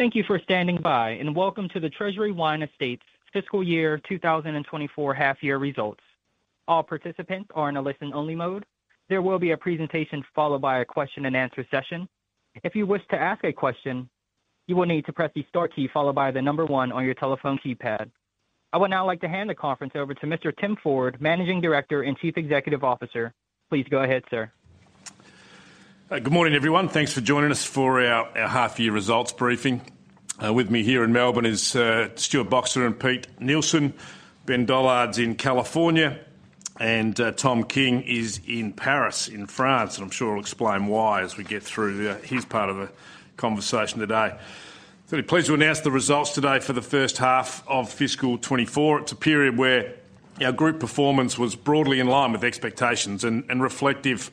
Thank you for standing by, and welcome to the Treasury Wine Estates Fiscal Year 2024 Half-Year Results. All participants are in a listen-only mode. There will be a presentation followed by a question-and-answer session. If you wish to ask a question, you will need to press the * key followed by the 1 on your telephone keypad. I would now like to hand the conference over to Mr. Tim Ford, Managing Director and Chief Executive Officer. Please go ahead, sir. Good morning, everyone. Thanks for joining us for our half-year results briefing. With me here in Melbourne is Stuart Boxer and Pete Neilson, Ben Dollard's in California, and Tom King is in Paris in France, and I'm sure he'll explain why as we get through his part of the conversation today. I'm very pleased to announce the results today for the first half of fiscal 2024. It's a period where our group performance was broadly in line with expectations and reflective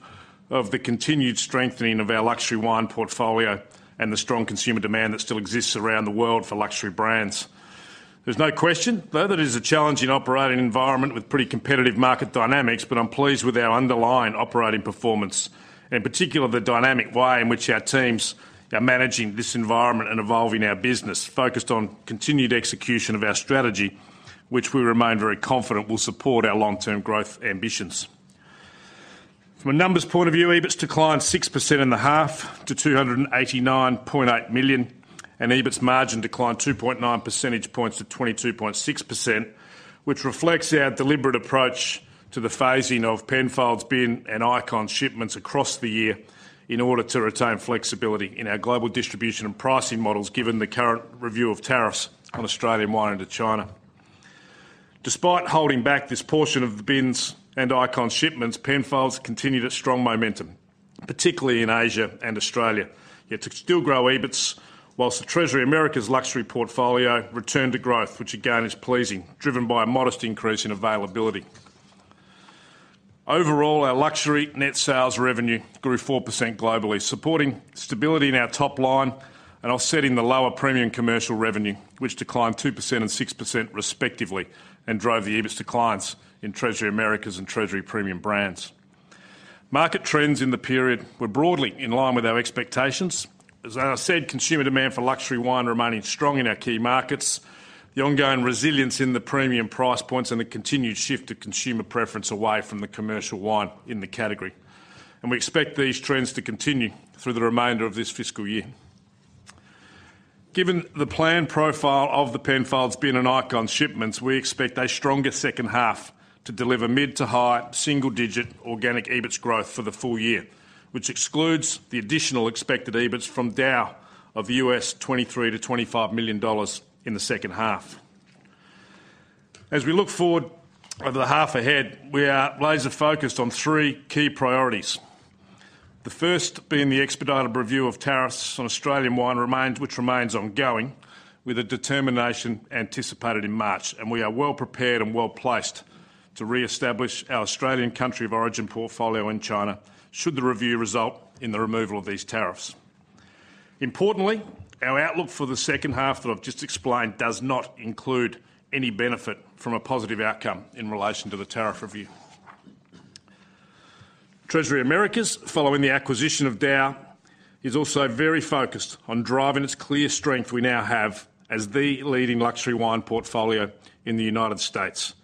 of the continued strengthening of our luxury wine portfolio and the strong consumer demand that still exists around the world for luxury brands. There's no question, though, that it is a challenging operating environment with pretty competitive market dynamics, but I'm pleased with our underlying operating performance, in particular the dynamic way in which our teams are managing this environment and evolving our business, focused on continued execution of our strategy, which we remain very confident will support our long-term growth ambitions. From a numbers point of view, EBITS declined 6.5% to 289.8 million, and EBITS margin declined 2.9 percentage points to 22.6%, which reflects our deliberate approach to the phasing of Penfolds, Bin, and Icons shipments across the year in order to retain flexibility in our global distribution and pricing models given the current review of tariffs on Australian wine into China. Despite holding back this portion of the Bins and Icons shipments, Penfolds continued at strong momentum, particularly in Asia and Australia, yet to still grow EBITS while the Treasury Americas' luxury portfolio returned to growth, which again is pleasing, driven by a modest increase in availability. Overall, our luxury net sales revenue grew 4% globally, supporting stability in our top line and offsetting the lower premium commercial revenue, which declined 2% and 6% respectively and drove the EBITS declines in Treasury Americas' and Treasury Premium Brands. Market trends in the period were broadly in line with our expectations, as I said, consumer demand for luxury wine remaining strong in our key markets, the ongoing resilience in the premium price points, and the continued shift of consumer preference away from the commercial wine in the category. We expect these trends to continue through the remainder of this fiscal year. Given the planned profile of the Penfolds, Bin, and Icons shipments, we expect a stronger second half to deliver mid to high single-digit organic EBITS growth for the full year, which excludes the additional expected EBITS from DAOU of $23-$25 million in the second half. As we look forward over the half ahead, we are laser-focused on three key priorities. The first, being the expedited review of tariffs on Australian wine, which remains ongoing, with a determination anticipated in March, and we are well prepared and well placed to reestablish our Australian country of origin portfolio in China should the review result in the removal of these tariffs. Importantly, our outlook for the second half that I've just explained does not include any benefit from a positive outcome in relation to the tariff review. Treasury Americas, following the acquisition of DAOU, is also very focused on driving its clear strength we now have as the leading luxury wine portfolio in the United States,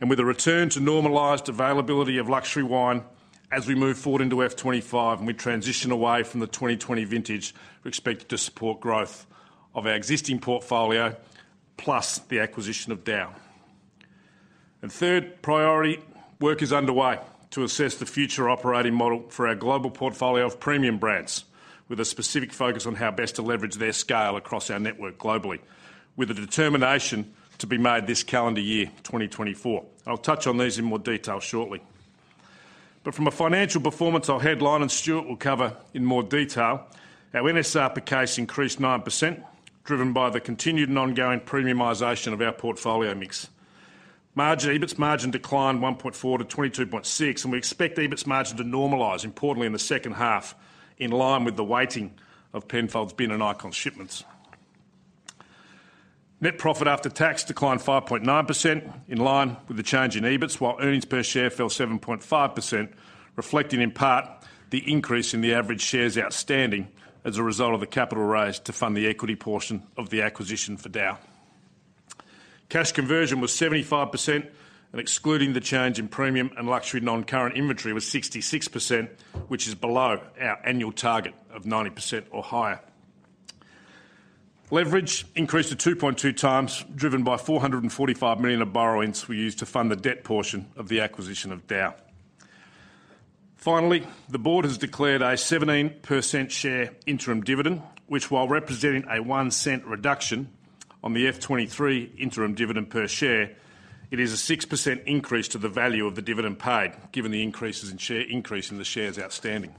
and with a return to normalized availability of luxury wine as we move forward into F2025 and we transition away from the 2020 vintage, we expect to support growth of our existing portfolio plus the acquisition of DAOU. And third priority, work is underway to assess the future operating model for our global portfolio of premium brands, with a specific focus on how best to leverage their scale across our network globally, with a determination to be made this calendar year, 2024. And I'll touch on these in more detail shortly. But from a financial performance I'll headline and Stuart will cover in more detail, our NSR per case increased 9%, driven by the continued and ongoing premiumization of our portfolio mix. EBITS margin declined 1.4%-22.6%, and we expect EBITS margin to normalize, importantly in the second half, in line with the weighting of Penfolds, Bin, and Icons shipments. Net profit after tax declined 5.9%, in line with the change in EBITS, while earnings per share fell 7.5%, reflecting in part the increase in the average shares outstanding as a result of the capital raised to fund the equity portion of the acquisition for DAOU. Cash conversion was 75%, and excluding the change in premium and luxury non-current inventory was 66%, which is below our annual target of 90% or higher. Leverage increased to 2.2x, driven by 445 million of borrowings we used to fund the debt portion of the acquisition of DAOU. Finally, the board has declared a 17% share interim dividend, which, while representing a 0.01 reduction on the F2023 interim dividend per share, it is a 6% increase to the value of the dividend paid, given the increases in share increase in the shares outstanding.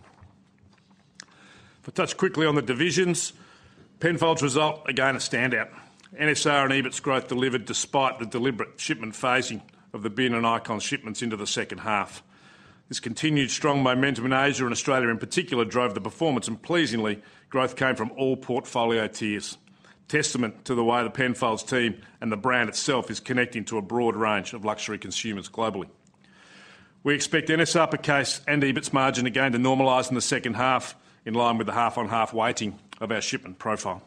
If I touch quickly on the divisions, Penfolds result, again, a standout. NSR and EBITS growth delivered despite the deliberate shipment phasing of the Bin and Icons shipments into the second half. This continued strong momentum in Asia and Australia in particular drove the performance, and pleasingly, growth came from all portfolio tiers, testament to the way the Penfolds team and the brand itself is connecting to a broad range of luxury consumers globally. We expect NSR per case and EBITS margin, again, to normalize in the second half, in line with the half-on-half weighting of our shipment profile.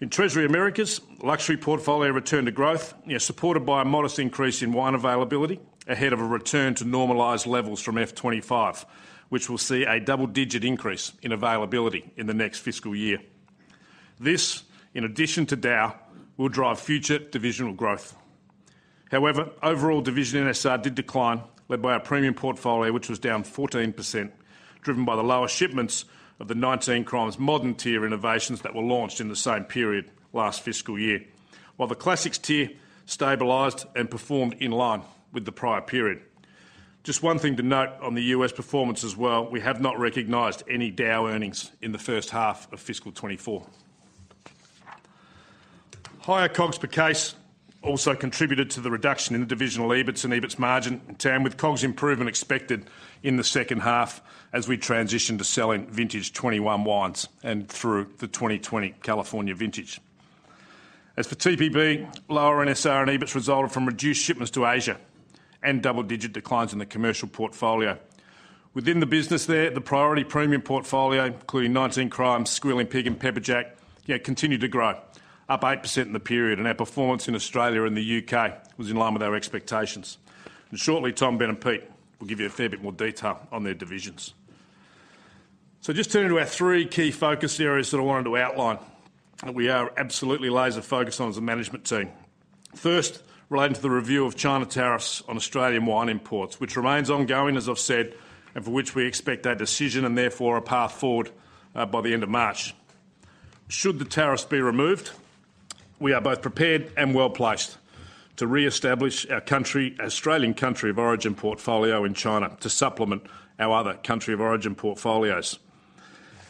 In Treasury Americas' luxury portfolio returned to growth, supported by a modest increase in wine availability ahead of a return to normalized levels from F2025, which will see a double-digit increase in availability in the next fiscal year. This, in addition to DAOU, will drive future divisional growth. However, overall division NSR did decline, led by our premium portfolio, which was down 14%, driven by the lower shipments of the 19 Crimes Modern tier innovations that were launched in the same period last fiscal year, while the Classics tier stabilized and performed in line with the prior period. Just one thing to note on the U.S. performance as well: we have not recognised any DAOU earnings in the first half of fiscal 2024. Higher COGS per case also contributed to the reduction in the divisional EBITS and EBITS margin, in tandem with COGS improvement expected in the second half as we transition to selling vintage 2021 wines and through the 2020 California vintage. As for TPB, lower NSR and EBITS resulted from reduced shipments to Asia and double-digit declines in the commercial portfolio. Within the business there, the priority premium portfolio, including 19 Crimes, Squealing Pig, and Pepperjack, continued to grow, up 8% in the period, and our performance in Australia and the U.K. was in line with our expectations. And shortly, Tom, Ben, and Pete will give you a fair bit more detail on their divisions. So just turning to our three key focus areas that I wanted to outline that we are absolutely laser-focused on as a management team. First, relating to the review of China tariffs on Australian wine imports, which remains ongoing, as I've said, and for which we expect a decision and, therefore, a path forward by the end of March. Should the tariffs be removed, we are both prepared and well placed to reestablish our country, Australian country of origin portfolio in China to supplement our other country of origin portfolios.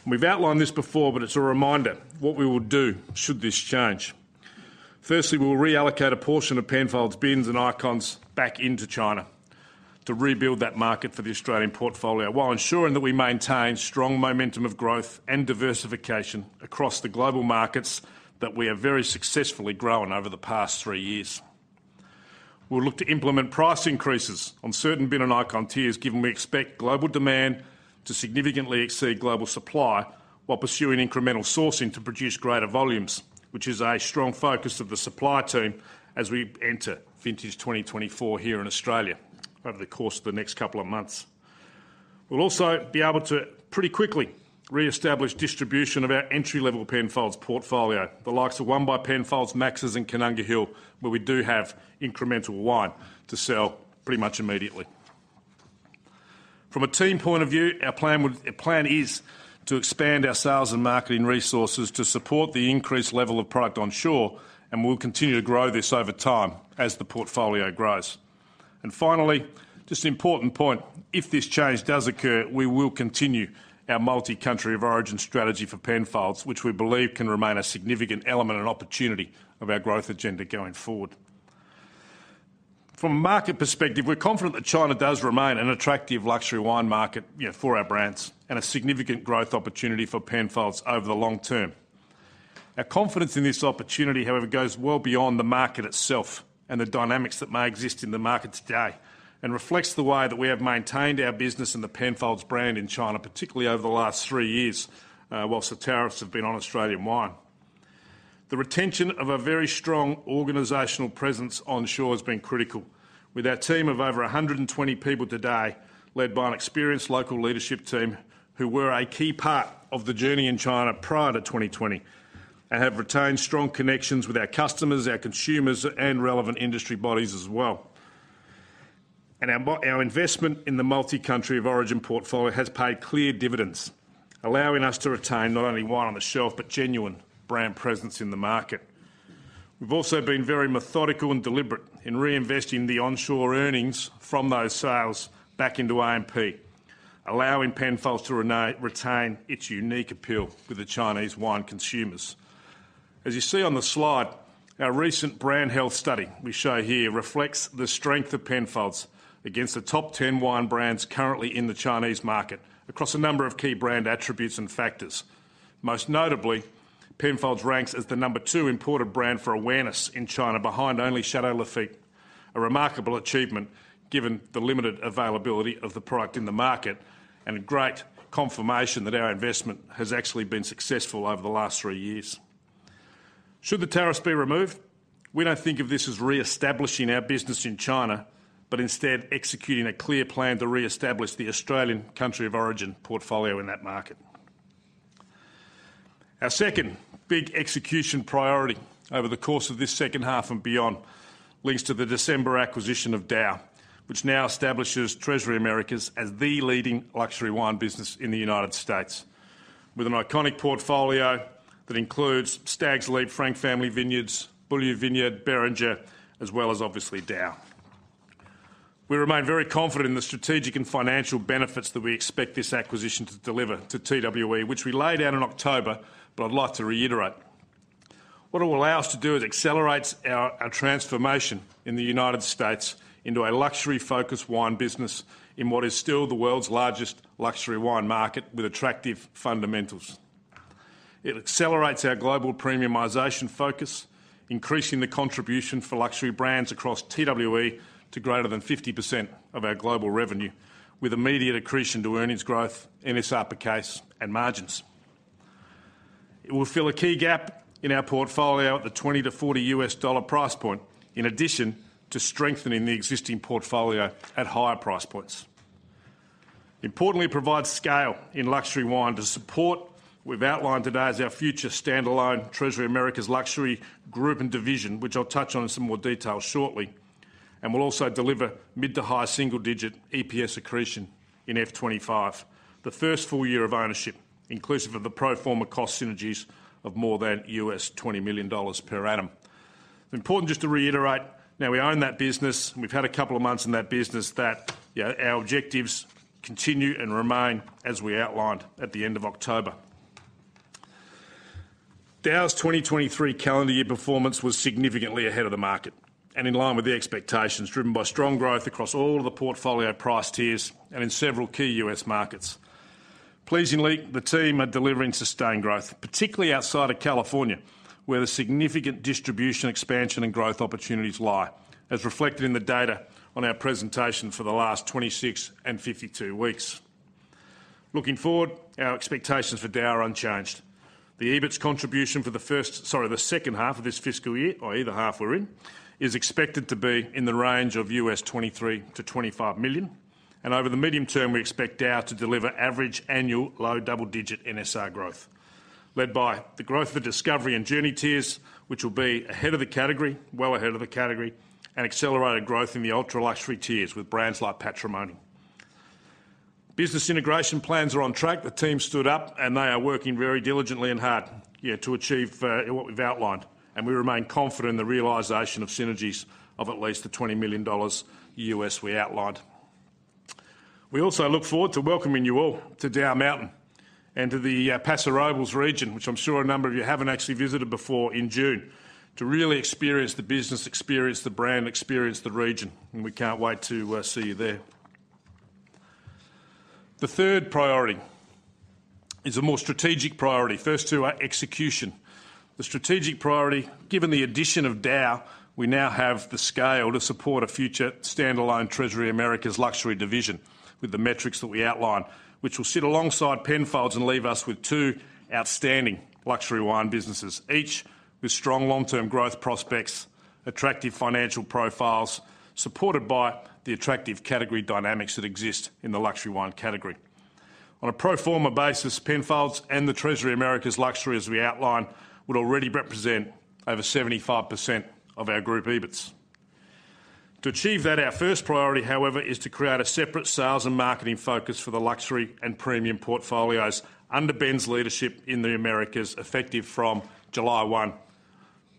We've outlined this before, but it's a reminder of what we will do should this change. Firstly, we will reallocate a portion of Penfolds, Bins, and Icons back into China to rebuild that market for the Australian portfolio, while ensuring that we maintain strong momentum of growth and diversification across the global markets that we are very successfully growing over the past three years. We'll look to implement price increases on certain Bin and Icon tiers, given we expect global demand to significantly exceed global supply, while pursuing incremental sourcing to produce greater volumes, which is a strong focus of the supply team as we enter vintage 2024 here in Australia over the course of the next couple of months. We'll also be able to pretty quickly reestablish distribution of our entry-level Penfolds portfolio, the likes of ONE by Penfolds, Max's and Koonunga Hill, where we do have incremental wine to sell pretty much immediately. From a team point of view, our plan is to expand our sales and marketing resources to support the increased level of product onshore, and we'll continue to grow this over time as the portfolio grows. And finally, just an important point: if this change does occur, we will continue our multi-country of origin strategy for Penfolds, which we believe can remain a significant element and opportunity of our growth agenda going forward. From a market perspective, we're confident that China does remain an attractive luxury wine market for our brands and a significant growth opportunity for Penfolds over the long term. Our confidence in this opportunity, however, goes well beyond the market itself and the dynamics that may exist in the market today and reflects the way that we have maintained our business and the Penfolds brand in China, particularly over the last three years while the tariffs have been on Australian wine. The retention of a very strong organizational presence onshore has been critical, with our team of over 120 people today, led by an experienced local leadership team who were a key part of the journey in China prior to 2020, and have retained strong connections with our customers, our consumers, and relevant industry bodies as well. Our investment in the multi-country of origin portfolio has paid clear dividends, allowing us to retain not only wine on the shelf but genuine brand presence in the market. We've also been very methodical and deliberate in reinvesting the onshore earnings from those sales back into A&P, allowing Penfolds to retain its unique appeal with the Chinese wine consumers. As you see on the slide, our recent brand health study we show here reflects the strength of Penfolds against the top 10 wine brands currently in the Chinese market across a number of key brand attributes and factors. Most notably, Penfolds ranks as the number two imported brand for awareness in China behind only Château Lafite, a remarkable achievement given the limited availability of the product in the market and a great confirmation that our investment has actually been successful over the last three years. Should the tariffs be removed, we don't think of this as reestablishing our business in China, but instead executing a clear plan to reestablish the Australian country of origin portfolio in that market. Our second big execution priority over the course of this second half and beyond links to the December acquisition of DAOU, which now establishes Treasury Americas as the leading luxury wine business in the United States, with an iconic portfolio that includes Stags' Leap, Frank Family Vineyards, Beaulieu Vineyard, Beringer, as well as, obviously, DAOU. We remain very confident in the strategic and financial benefits that we expect this acquisition to deliver to TWE, which we laid out in October, but I'd like to reiterate. What it will allow us to do is accelerate our transformation in the United States into a luxury-focused wine business in what is still the world's largest luxury wine market with attractive fundamentals. It accelerates our global premiumization focus, increasing the contribution for luxury brands across TWE to greater than 50% of our global revenue, with immediate accretion to earnings growth, NSR per case, and margins. It will fill a key gap in our portfolio at the $20-$40 price point, in addition to strengthening the existing portfolio at higher price points. Importantly, it provides scale in luxury wine to support what we've outlined today as our future standalone Treasury Americas luxury group and division, which I'll touch on in some more detail shortly, and will also deliver mid to high single-digit EPS accretion in F2025, the first full year of ownership, inclusive of the pro forma cost synergies of more than $20 million per annum. It's important just to reiterate: now we own that business, and we've had a couple of months in that business that our objectives continue and remain as we outlined at the end of October. DAOU's 2023 calendar year performance was significantly ahead of the market and in line with the expectations, driven by strong growth across all of the portfolio price tiers and in several key U.S. markets. Pleasingly, the team are delivering sustained growth, particularly outside of California, where the significant distribution, expansion, and growth opportunities lie, as reflected in the data on our presentation for the last 26 and 52 weeks. Looking forward, our expectations for DAOU are unchanged. The EBITS contribution for the first sorry, the second half of this fiscal year or either half we're in is expected to be in the range of $23 million-$25 million, and over the medium term, we expect DAOU to deliver average annual low double-digit NSR growth, led by the growth of the discovery and journey tiers, which will be ahead of the category, well ahead of the category, and accelerated growth in the ultra-luxury tiers with brands like Patrimony. Business integration plans are on track. The team stood up, and they are working very diligently and hard to achieve what we've outlined, and we remain confident in the realization of synergies of at least the $20 million we outlined. We also look forward to welcoming you all to DAOU Mountain and to the Paso Robles region, which I'm sure a number of you haven't actually visited before, in June, to really experience the business experience, the brand experience, the region, and we can't wait to see you there. The third priority is a more strategic priority. First two are execution. The strategic priority, given the addition of DAOU, we now have the scale to support a future standalone Treasury Americas luxury division with the metrics that we outline, which will sit alongside Penfolds and leave us with two outstanding luxury wine businesses, each with strong long-term growth prospects, attractive financial profiles, supported by the attractive category dynamics that exist in the luxury wine category. On a pro forma basis, Penfolds and the Treasury Americas luxury, as we outline, would already represent over 75% of our group EBITS. To achieve that, our first priority, however, is to create a separate sales and marketing focus for the luxury and premium portfolios under Ben's leadership in the Americas, effective from July 1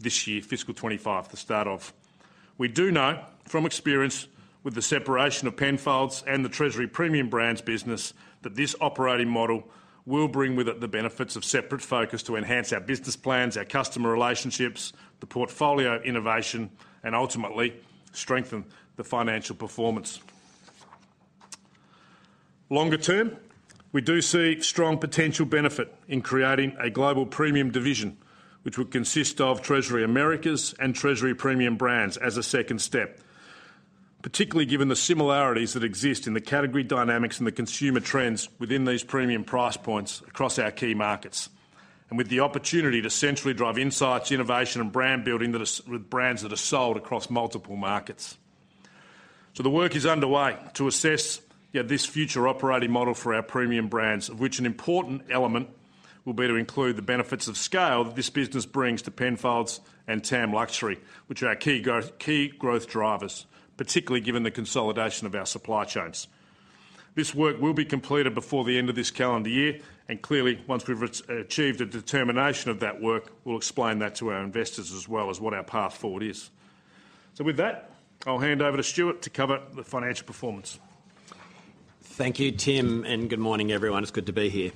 this year, fiscal 2025, the start of. We do know from experience with the separation of Penfolds and the Treasury Premium Brands business that this operating model will bring with it the benefits of separate focus to enhance our business plans, our customer relationships, the portfolio innovation, and ultimately, strengthen the financial performance. Longer term, we do see strong potential benefit in creating a global premium division, which would consist of Treasury Americas and Treasury Premium Brands as a second step, particularly given the similarities that exist in the category dynamics and the consumer trends within these premium price points across our key markets, and with the opportunity to centrally drive insights, innovation, and brand building with brands that are sold across multiple markets. So the work is underway to assess this future operating model for our premium brands, of which an important element will be to include the benefits of scale that this business brings to Penfolds and TAM Luxury, which are our key growth drivers, particularly given the consolidation of our supply chains. This work will be completed before the end of this calendar year, and clearly, once we've achieved a determination of that work, we'll explain that to our investors as well as what our path forward is. So with that, I'll hand over to Stuart to cover the financial performance. Thank you, Tim, and good morning, everyone. It's good to be here.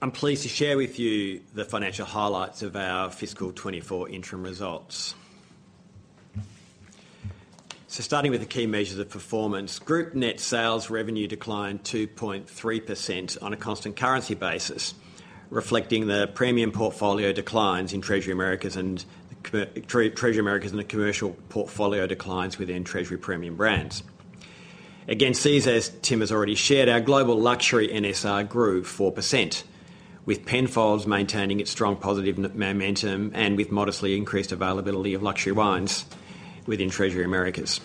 I'm pleased to share with you the financial highlights of our fiscal 2024 interim results. So starting with the key measures of performance, group net sales revenue declined 2.3% on a constant currency basis, reflecting the premium portfolio declines in Treasury Americas and the Treasury Americas and the commercial portfolio declines within Treasury Premium Brands. Again, as Tim has already shared, our global luxury NSR grew 4%, with Penfolds maintaining its strong positive momentum and with modestly increased availability of luxury wines within Treasury Americas.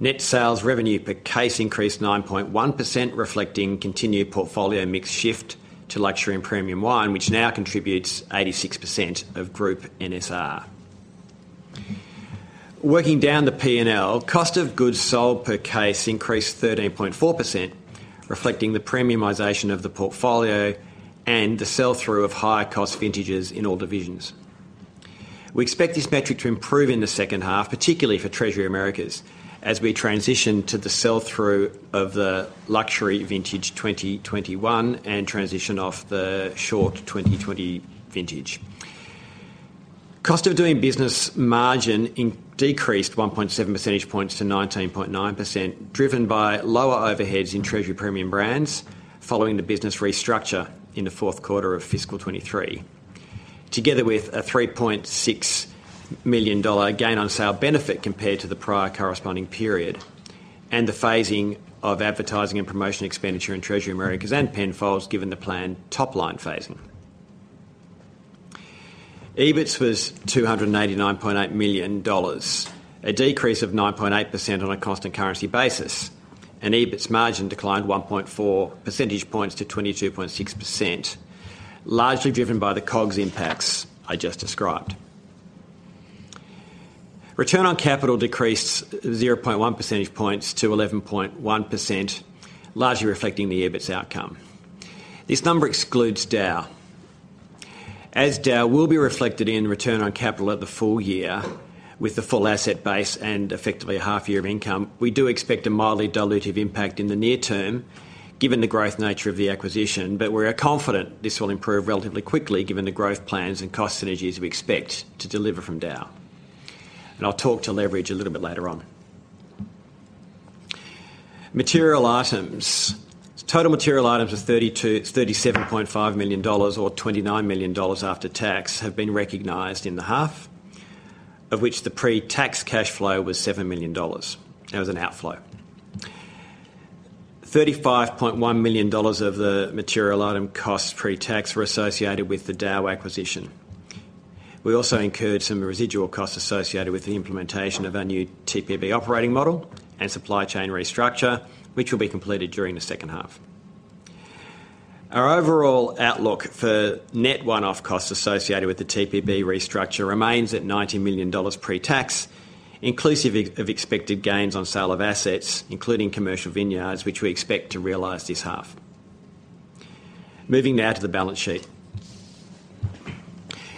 Net sales revenue per case increased 9.1%, reflecting continued portfolio mix shift to luxury and premium wine, which now contributes 86% of group NSR. Working down the P&L, cost of goods sold per case increased 13.4%, reflecting the premiumization of the portfolio and the sell-through of higher-cost vintages in all divisions. We expect this metric to improve in the second half, particularly for Treasury Americas, as we transition to the sell-through of the luxury vintage 2021 and transition off the short 2020 vintage. Cost of doing business margin decreased 1.7 percentage points to 19.9%, driven by lower overheads in Treasury Premium Brands following the business restructure in the fourth quarter of fiscal 2023, together with a $3.6 million gain-on-sale benefit compared to the prior corresponding period and the phasing of advertising and promotion expenditure in Treasury Americas and Penfolds, given the planned top-line phasing. EBITS was 289.8 million dollars, a decrease of 9.8% on a constant currency basis, and EBITS margin declined 1.4 percentage points to 22.6%, largely driven by the COGS impacts I just described. Return on capital decreased 0.1 percentage points to 11.1%, largely reflecting the EBITS outcome. This number excludes DAOU. As DAOU will be reflected in return on capital at the full year with the full asset base and effectively a half-year of income, we do expect a mildly dilutive impact in the near term, given the growth nature of the acquisition, but we're confident this will improve relatively quickly, given the growth plans and cost synergies we expect to deliver from DAOU. I'll talk to leverage a little bit later on. Material items. Total material items of 37.5 million dollars or 29 million dollars after tax have been recognized in the half, of which the pre-tax cash flow was 7 million dollars. That was an outflow. 35.1 million dollars of the material item costs pre-tax were associated with the DAOU acquisition. We also incurred some residual costs associated with the implementation of our new TPB operating model and supply chain restructure, which will be completed during the second half. Our overall outlook for net one-off costs associated with the TPB restructure remains at AUD 90 million pre-tax, inclusive of expected gains on sale of assets, including commercial vineyards, which we expect to realize this half. Moving now to the balance sheet.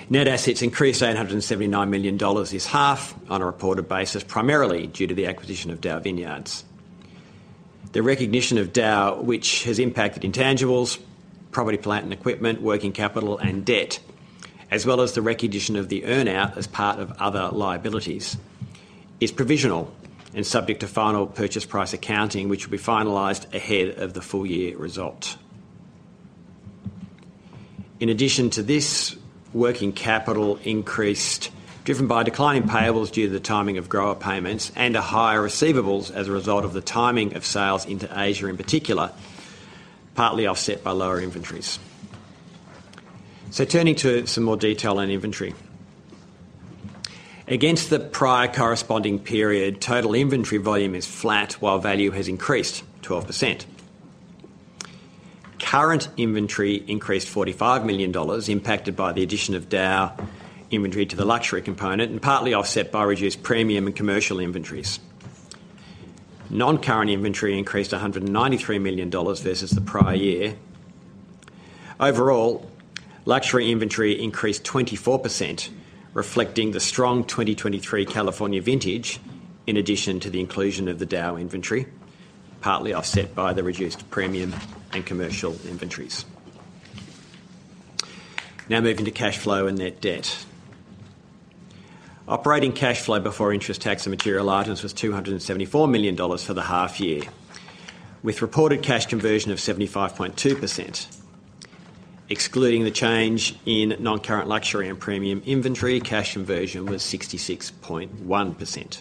Net assets increased 879 million dollars this half on a reported basis, primarily due to the acquisition of DAOU Vineyards. The recognition of DAOU, which has impacted intangibles, property plant and equipment, working capital, and debt, as well as the recognition of the earnout as part of other liabilities, is provisional and subject to final purchase price accounting, which will be finalized ahead of the full-year result. In addition to this, working capital increased, driven by declining payables due to the timing of grower payments and a higher receivables as a result of the timing of sales into Asia in particular, partly offset by lower inventories. So turning to some more detail on inventory. Against the prior corresponding period, total inventory volume is flat while value has increased 12%. Current inventory increased 45 million dollars, impacted by the addition of DAOU inventory to the luxury component and partly offset by reduced premium and commercial inventories. Non-current inventory increased 193 million dollars versus the prior year. Overall, luxury inventory increased 24%, reflecting the strong 2023 California vintage in addition to the inclusion of the DAOU inventory, partly offset by the reduced premium and commercial inventories. Now moving to cash flow and net debt. Operating cash flow before interest tax and material items was AUD 274 million for the half year, with reported cash conversion of 75.2%. Excluding the change in non-current luxury and premium inventory, cash conversion was 66.1%.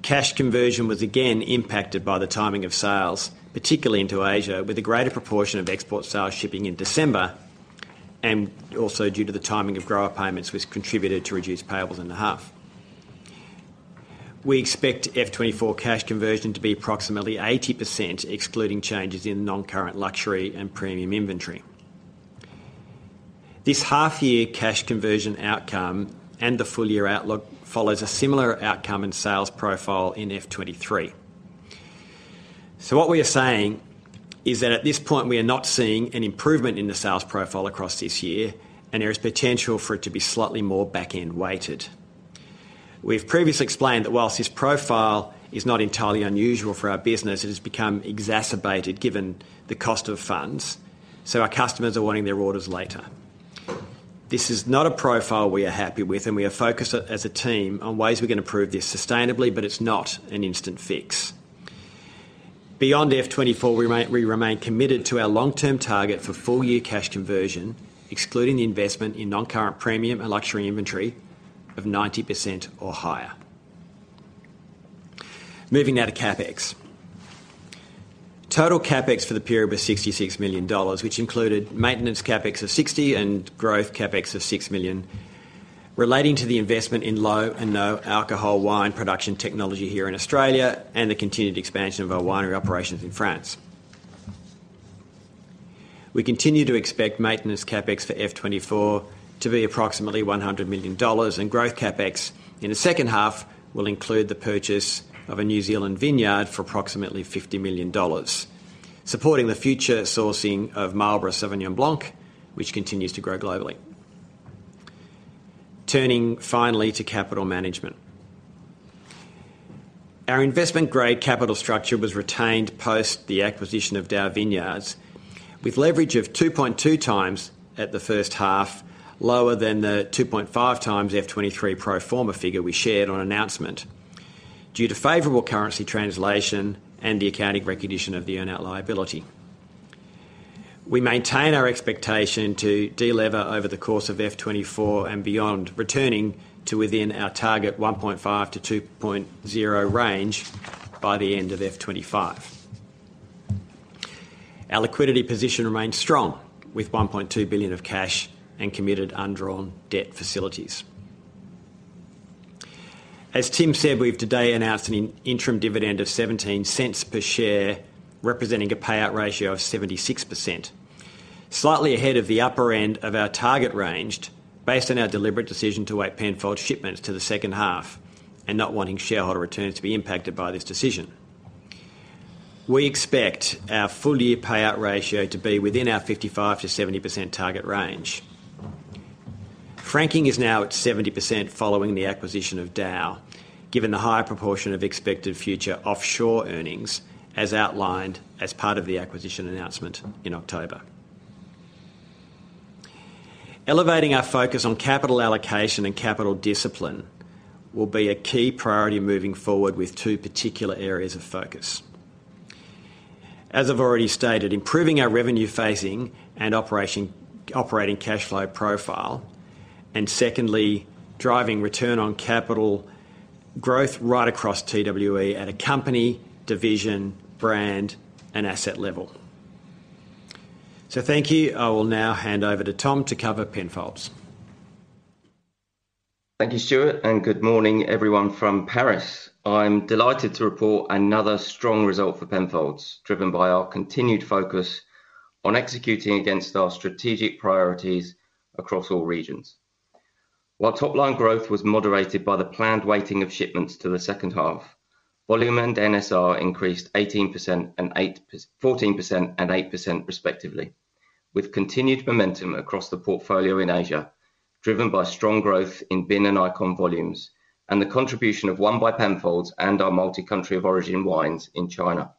Cash conversion was again impacted by the timing of sales, particularly into Asia, with a greater proportion of export sales shipping in December and also due to the timing of grower payments, which contributed to reduced payables in the half. We expect F2024 cash conversion to be approximately 80%, excluding changes in non-current luxury and premium inventory. This half-year cash conversion outcome and the full-year outlook follows a similar outcome and sales profile in F2023. So what we are saying is that at this point, we are not seeing an improvement in the sales profile across this year, and there is potential for it to be slightly more back-end weighted. We've previously explained that while this profile is not entirely unusual for our business, it has become exacerbated given the cost of funds, so our customers are wanting their orders later. This is not a profile we are happy with, and we are focused as a team on ways we can improve this sustainably, but it's not an instant fix. Beyond F2024, we remain committed to our long-term target for full-year cash conversion, excluding the investment in non-current premium and luxury inventory of 90% or higher. Moving now to CapEx. Total CapEx for the period was 66 million dollars, which included maintenance CapEx of 60 million and growth CapEx of 6 million, relating to the investment in low and no alcohol wine production technology here in Australia and the continued expansion of our winery operations in France. We continue to expect maintenance CapEx for F2024 to be approximately AUD 100 million, and growth CapEx in the second half will include the purchase of a New Zealand vineyard for approximately 50 million dollars, supporting the future sourcing of Marlborough Sauvignon Blanc, which continues to grow globally. Turning finally to capital management. Our investment-grade capital structure was retained post the acquisition of DAOU Vineyards, with leverage of 2.2x at the first half, lower than the 2.5x F2023 pro forma figure we shared on announcement due to favorable currency translation and the accounting recognition of the earnout liability. We maintain our expectation to de-lever over the course of F2024 and beyond, returning to within our target 1.5-2.0 range by the end of F2025. Our liquidity position remains strong with 1.2 billion of cash and committed undrawn debt facilities. As Tim said, we've today announced an interim dividend of 0.17 per share, representing a payout ratio of 76%, slightly ahead of the upper end of our target range based on our deliberate decision to weight Penfolds' shipments to the second half and not wanting shareholder returns to be impacted by this decision. We expect our full-year payout ratio to be within our 55%-70% target range. Franking is now at 70% following the acquisition of DAOU, given the high proportion of expected future offshore earnings, as outlined as part of the acquisition announcement in October. Elevating our focus on capital allocation and capital discipline will be a key priority moving forward with two particular areas of focus. As I've already stated, improving our revenue phasing and operating cash flow profile, and secondly, driving return on capital growth right across TWE at a company, division, brand, and asset level. So thank you. I will now hand over to Tom to cover Penfolds. Thank you, Stuart, and good morning, everyone, from Paris. I'm delighted to report another strong result for Penfolds, driven by our continued focus on executing against our strategic priorities across all regions. While top-line growth was moderated by the planned weighting of shipments to the second half, volume and NSR increased 14% and 8%, respectively, with continued momentum across the portfolio in Asia, driven by strong growth in Bin and Icon volumes and the contribution of ONE by Penfolds and our multicountry-of-origin wines in China.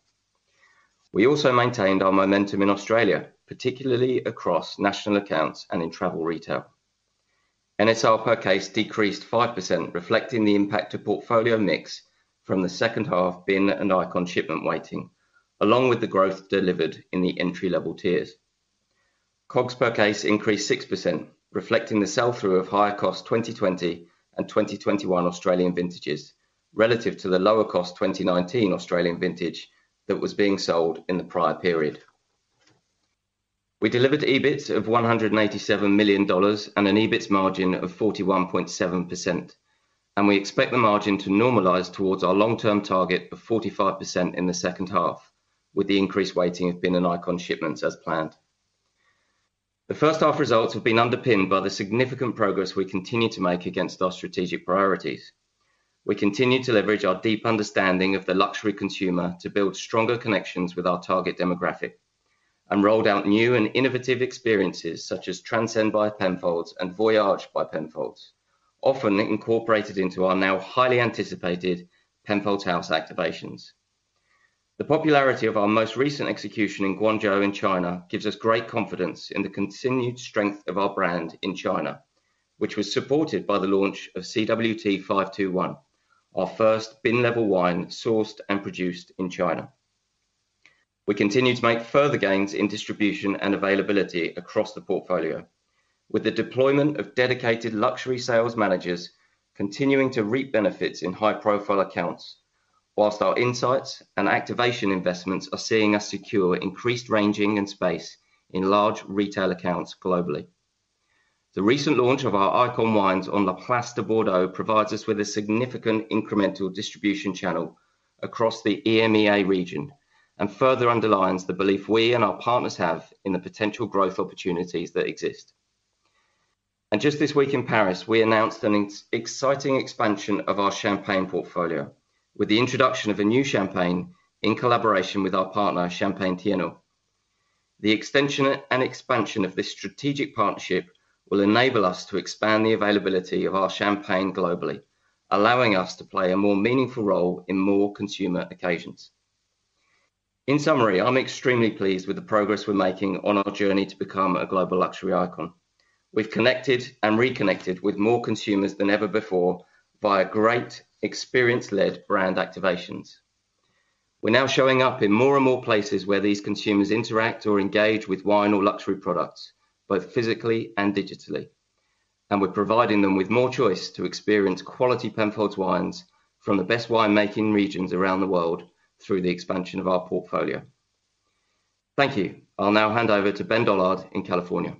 We also maintained our momentum in Australia, particularly across national accounts and in travel retail. NSR per case decreased 5%, reflecting the impact to portfolio mix from the second half Bin and Icon shipment weighting, along with the growth delivered in the entry-level tiers. COGS per case increased 6%, reflecting the sell-through of higher-cost 2020 and 2021 Australian vintages relative to the lower-cost 2019 Australian vintage that was being sold in the prior period. We delivered EBITS of 187 million dollars and an EBITS margin of 41.7%, and we expect the margin to normalize towards our long-term target of 45% in the second half, with the increased weighting of Bin and Icon shipments as planned. The first half results have been underpinned by the significant progress we continue to make against our strategic priorities. We continue to leverage our deep understanding of the luxury consumer to build stronger connections with our target demographic and roll out new and innovative experiences such as Transcend by Penfolds and Voyage by Penfolds, often incorporated into our now highly anticipated Penfolds House activations. The popularity of our most recent execution in Guangzhou in China gives us great confidence in the continued strength of our brand in China, which was supported by the launch of CWT 521, our first Bin-level wine sourced and produced in China. We continue to make further gains in distribution and availability across the portfolio, with the deployment of dedicated luxury sales managers continuing to reap benefits in high-profile accounts, while our insights and activation investments are seeing us secure increased ranging and space in large retail accounts globally. The recent launch of our Icon wines on La Place de Bordeaux provides us with a significant incremental distribution channel across the EMEA region and further underlines the belief we and our partners have in the potential growth opportunities that exist. Just this week in Paris, we announced an exciting expansion of our champagne portfolio with the introduction of a new champagne in collaboration with our partner, Champagne Thiénot. The extension and expansion of this strategic partnership will enable us to expand the availability of our champagne globally, allowing us to play a more meaningful role in more consumer occasions. In summary, I'm extremely pleased with the progress we're making on our journey to become a global luxury icon. We've connected and reconnected with more consumers than ever before via great experience-led brand activations. We're now showing up in more and more places where these consumers interact or engage with wine or luxury products, both physically and digitally, and we're providing them with more choice to experience quality Penfolds wines from the best winemaking regions around the world through the expansion of our portfolio. Thank you. I'll now hand over to Ben Dollard in California.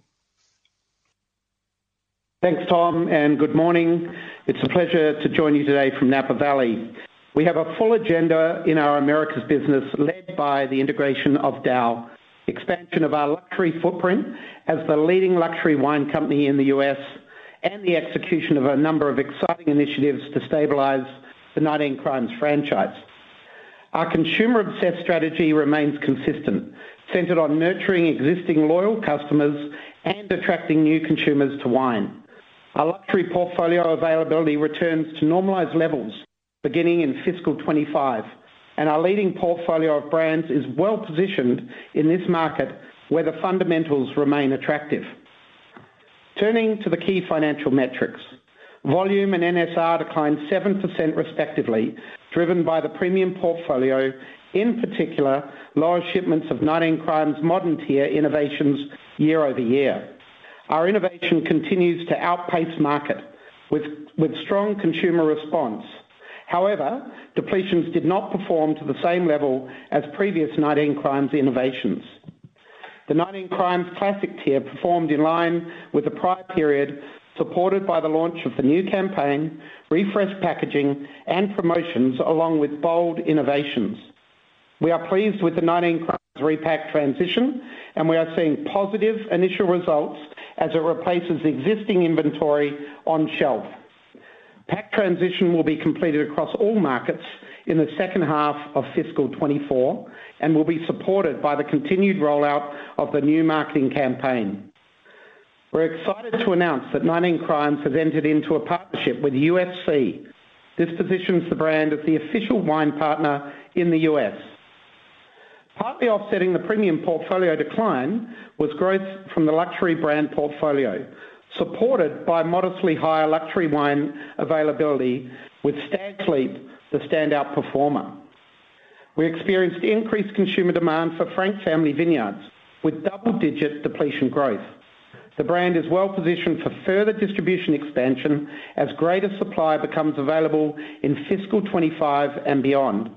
Thanks, Tom, and good morning. It's a pleasure to join you today from Napa Valley. We have a full agenda in our Americas business led by the integration of DAOU, expansion of our luxury footprint as the leading luxury wine company in the U.S., and the execution of a number of exciting initiatives to stabilize the 19 Crimes franchise. Our consumer-obsessed strategy remains consistent, centered on nurturing existing loyal customers and attracting new consumers to wine. Our luxury portfolio availability returns to normalized levels beginning in fiscal 2025, and our leading portfolio of brands is well-positioned in this market where the fundamentals remain attractive. Turning to the key financial metrics. Volume and NSR declined 7%, respectively, driven by the premium portfolio, in particular, lower shipments of 19 Crimes modern-tier innovations year-over-year. Our innovation continues to outpace market with strong consumer response. However, depletions did not perform to the same level as previous 19 Crimes innovations. The 19 Crimes Classic tier performed in line with the prior period, supported by the launch of the new campaign, refreshed packaging, and promotions, along with bold innovations. We are pleased with the 19 Crimes repack transition, and we are seeing positive initial results as it replaces existing inventory on shelf. Pack transition will be completed across all markets in the second half of fiscal 2024 and will be supported by the continued rollout of the new marketing campaign. We're excited to announce that 19 Crimes has entered into a partnership with UFC. This positions the brand as the official wine partner in the U.S. Partly offsetting the premium portfolio decline was growth from the luxury brand portfolio, supported by modestly higher luxury wine availability with Stags' Leap, the standout performer. We experienced increased consumer demand for Frank Family Vineyards with double-digit depletion growth. The brand is well-positioned for further distribution expansion as greater supply becomes available in fiscal 2025 and beyond.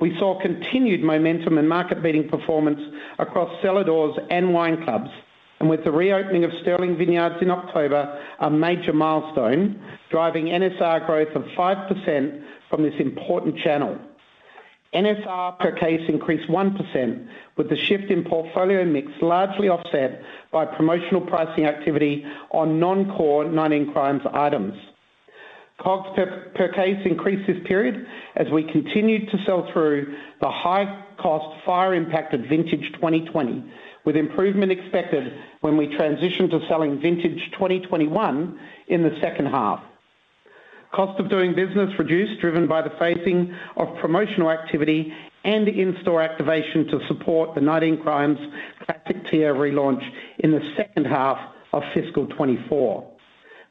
We saw continued momentum and market-beating performance across cellars and wine clubs, and with the reopening of Sterling Vineyards in October, a major milestone, driving NSR growth of 5% from this important channel. NSR per case increased 1%, with the shift in portfolio mix largely offset by promotional pricing activity on non-core 19 Crimes items. COGS per case increased this period as we continued to sell through the high-cost, fire-impacted vintage 2020, with improvement expected when we transitioned to selling vintage 2021 in the second half. Cost of doing business reduced, driven by the phasing of promotional activity and in-store activation to support the 19 Crimes classic tier relaunch in the second half of fiscal 2024.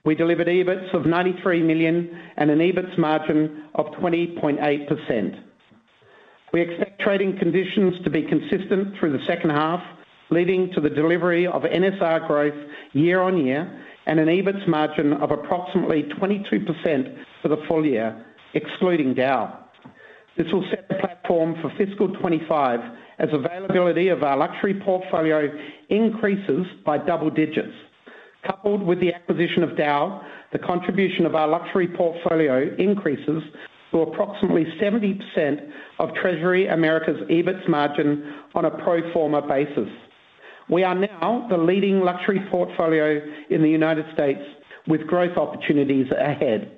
We delivered EBITS of 93 million and an EBITS margin of 20.8%. We expect trading conditions to be consistent through the second half, leading to the delivery of NSR growth year-over-year and an EBITS margin of approximately 22% for the full year, excluding DAOU. This will set the platform for fiscal 2025 as availability of our luxury portfolio increases by double digits. Coupled with the acquisition of DAOU, the contribution of our luxury portfolio increases to approximately 70% of Treasury Americas' EBITS margin on a pro forma basis. We are now the leading luxury portfolio in the United States with growth opportunities ahead.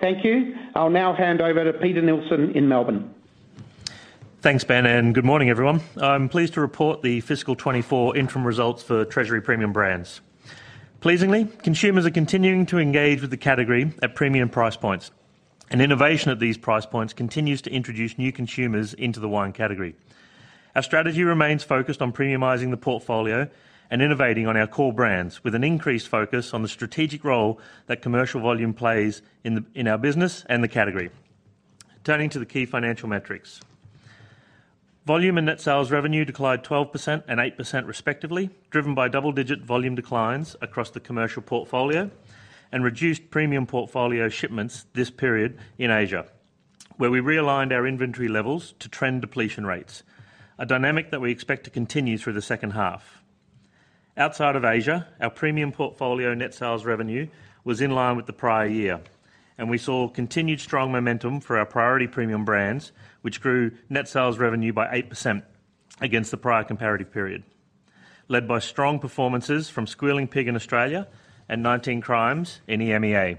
Thank you. I'll now hand over to Peter Neilson in Melbourne. Thanks, Ben, and good morning, everyone. I'm pleased to report the fiscal 2024 interim results for Treasury Premium Brands. Pleasingly, consumers are continuing to engage with the category at premium price points, and innovation at these price points continues to introduce new consumers into the wine category. Our strategy remains focused on premiumizing the portfolio and innovating on our core brands, with an increased focus on the strategic role that commercial volume plays in our business and the category. Turning to the key financial metrics. Volume and net sales revenue declined 12% and 8%, respectively, driven by double-digit volume declines across the commercial portfolio and reduced premium portfolio shipments this period in Asia, where we realigned our inventory levels to trend depletion rates, a dynamic that we expect to continue through the second half. Outside of Asia, our premium portfolio net sales revenue was in line with the prior year, and we saw continued strong momentum for our priority premium brands, which grew net sales revenue by 8% against the prior comparative period, led by strong performances from Squealing Pig in Australia and 19 Crimes in EMEA.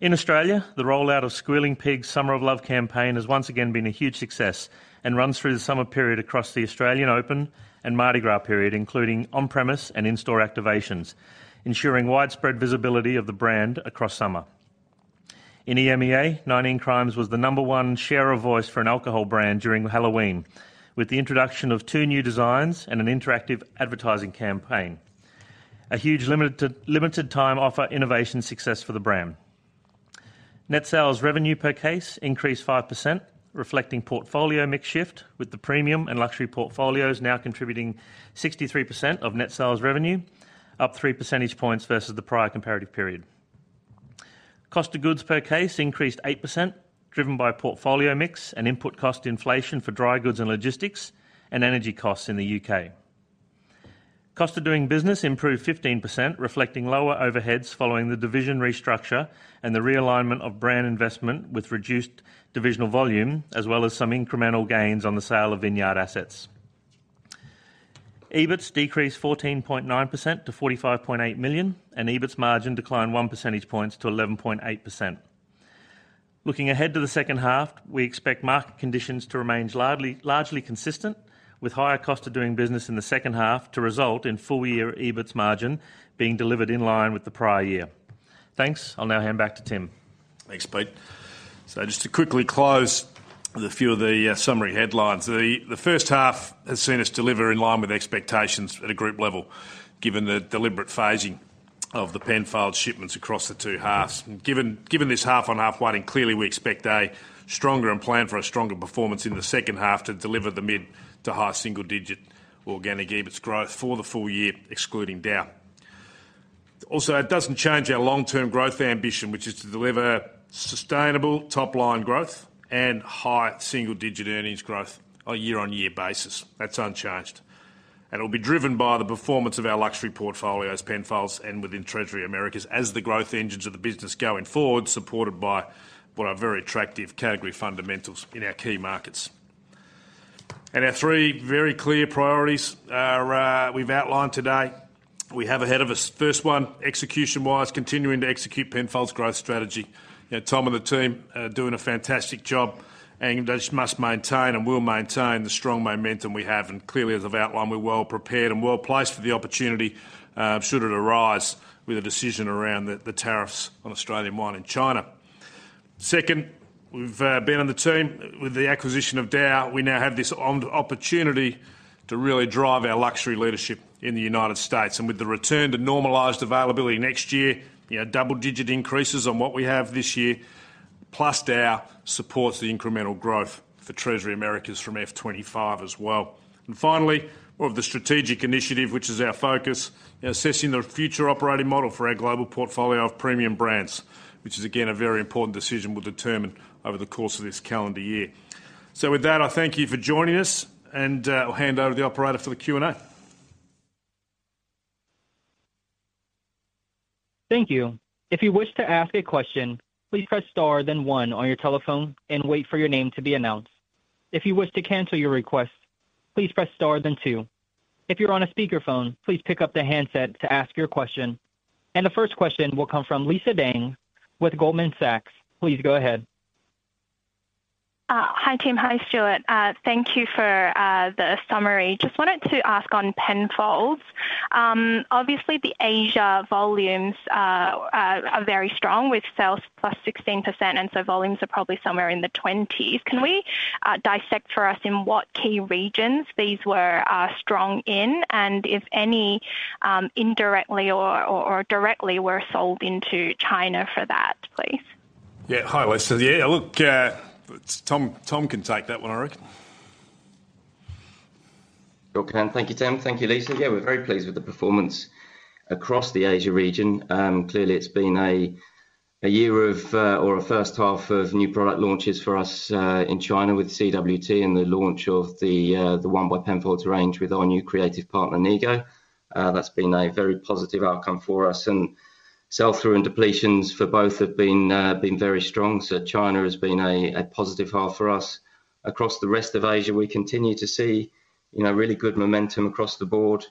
In Australia, the rollout of Squealing Pig's Summer of Love campaign has once again been a huge success and runs through the summer period across the Australian Open and Mardi Gras period, including on-premise and in-store activations, ensuring widespread visibility of the brand across summer. In EMEA, 19 Crimes was the number-one share of voice for an alcohol brand during Halloween, with the introduction of two new designs and an interactive advertising campaign. A huge limited-time offer innovation success for the brand. Net sales revenue per case increased 5%, reflecting portfolio mix shift, with the premium and luxury portfolios now contributing 63% of net sales revenue, up three percentage points versus the prior comparative period. Cost of goods per case increased 8%, driven by portfolio mix and input cost inflation for dry goods and logistics and energy costs in the U.K. Cost of doing business improved 15%, reflecting lower overheads following the division restructure and the realignment of brand investment with reduced divisional volume, as well as some incremental gains on the sale of vineyard assets. EBITS decreased 14.9% to 45.8 million, and EBITS margin declined one percentage point to 11.8%. Looking ahead to the second half, we expect market conditions to remain largely consistent, with higher cost of doing business in the second half to result in full-year EBITS margin being delivered in line with the prior year. Thanks. I'll now hand back to Tim. Thanks, Pete. So just to quickly close with a few of the summary headlines. The first half has seen us deliver in line with expectations at a group level, given the deliberate phasing of the Penfolds shipments across the two halves. Given this half-on-half weighting, clearly we expect a stronger and plan for a stronger performance in the second half to deliver the mid to high single-digit organic EBITS growth for the full year, excluding DAOU. Also, it doesn't change our long-term growth ambition, which is to deliver sustainable top-line growth and high single-digit earnings growth on a year-on-year basis. That's unchanged. It will be driven by the performance of our luxury portfolios, Penfolds, and within Treasury Americas as the growth engines of the business going forward, supported by what are very attractive category fundamentals in our key markets. Our three very clear priorities we've outlined today. We have ahead of us. First one, execution-wise, continuing to execute Penfolds' growth strategy. Tom and the team are doing a fantastic job, and they just must maintain and will maintain the strong momentum we have. And clearly, as I've outlined, we're well-prepared and well-placed for the opportunity, should it arise, with a decision around the tariffs on Australian wine in China. Second, we've Ben and the team, with the acquisition of DAOU, we now have this opportunity to really drive our luxury leadership in the United States. And with the return to normalized availability next year, double-digit increases on what we have this year, plus DAOU, supports the incremental growth for Treasury Americas from F2025 as well. And finally, of the strategic initiative, which is our focus, assessing the future operating model for our global portfolio of premium brands, which is, again, a very important decision we'll determine over the course of this calendar year. So with that, I thank you for joining us, and I'll hand over to the operator for the Q&A. Thank you. If you wish to ask a question, please press star, then one, on your telephone and wait for your name to be announced. If you wish to cancel your request, please press star, then two. If you're on a speakerphone, please pick up the handset to ask your question. And the first question will come from Lisa Deng with Goldman Sachs. Please go ahead. Hi, Tim. Hi, Stuart. Thank you for the summary. Just wanted to ask on Penfolds. Obviously, the Asia volumes are very strong, with sales +16%, and so volumes are probably somewhere in the 20s. Can we dissect for us in what key regions these were strong in, and if any indirectly or directly were sold into China for that, please? Yeah. Hi, Lisa. Yeah. Look, Tom can take that one, I reckon. Sure can. Thank you, Tim. Thank you, Lisa. Yeah, we're very pleased with the performance across the Asia region. Clearly, it's been a year of or a first half of new product launches for us in China with CWT and the launch of the ONE by Penfolds range with our new creative partner, NIGO. That's been a very positive outcome for us. And sell-through and depletions for both have been very strong. So China has been a positive half for us. Across the rest of Asia, we continue to see really good momentum across the board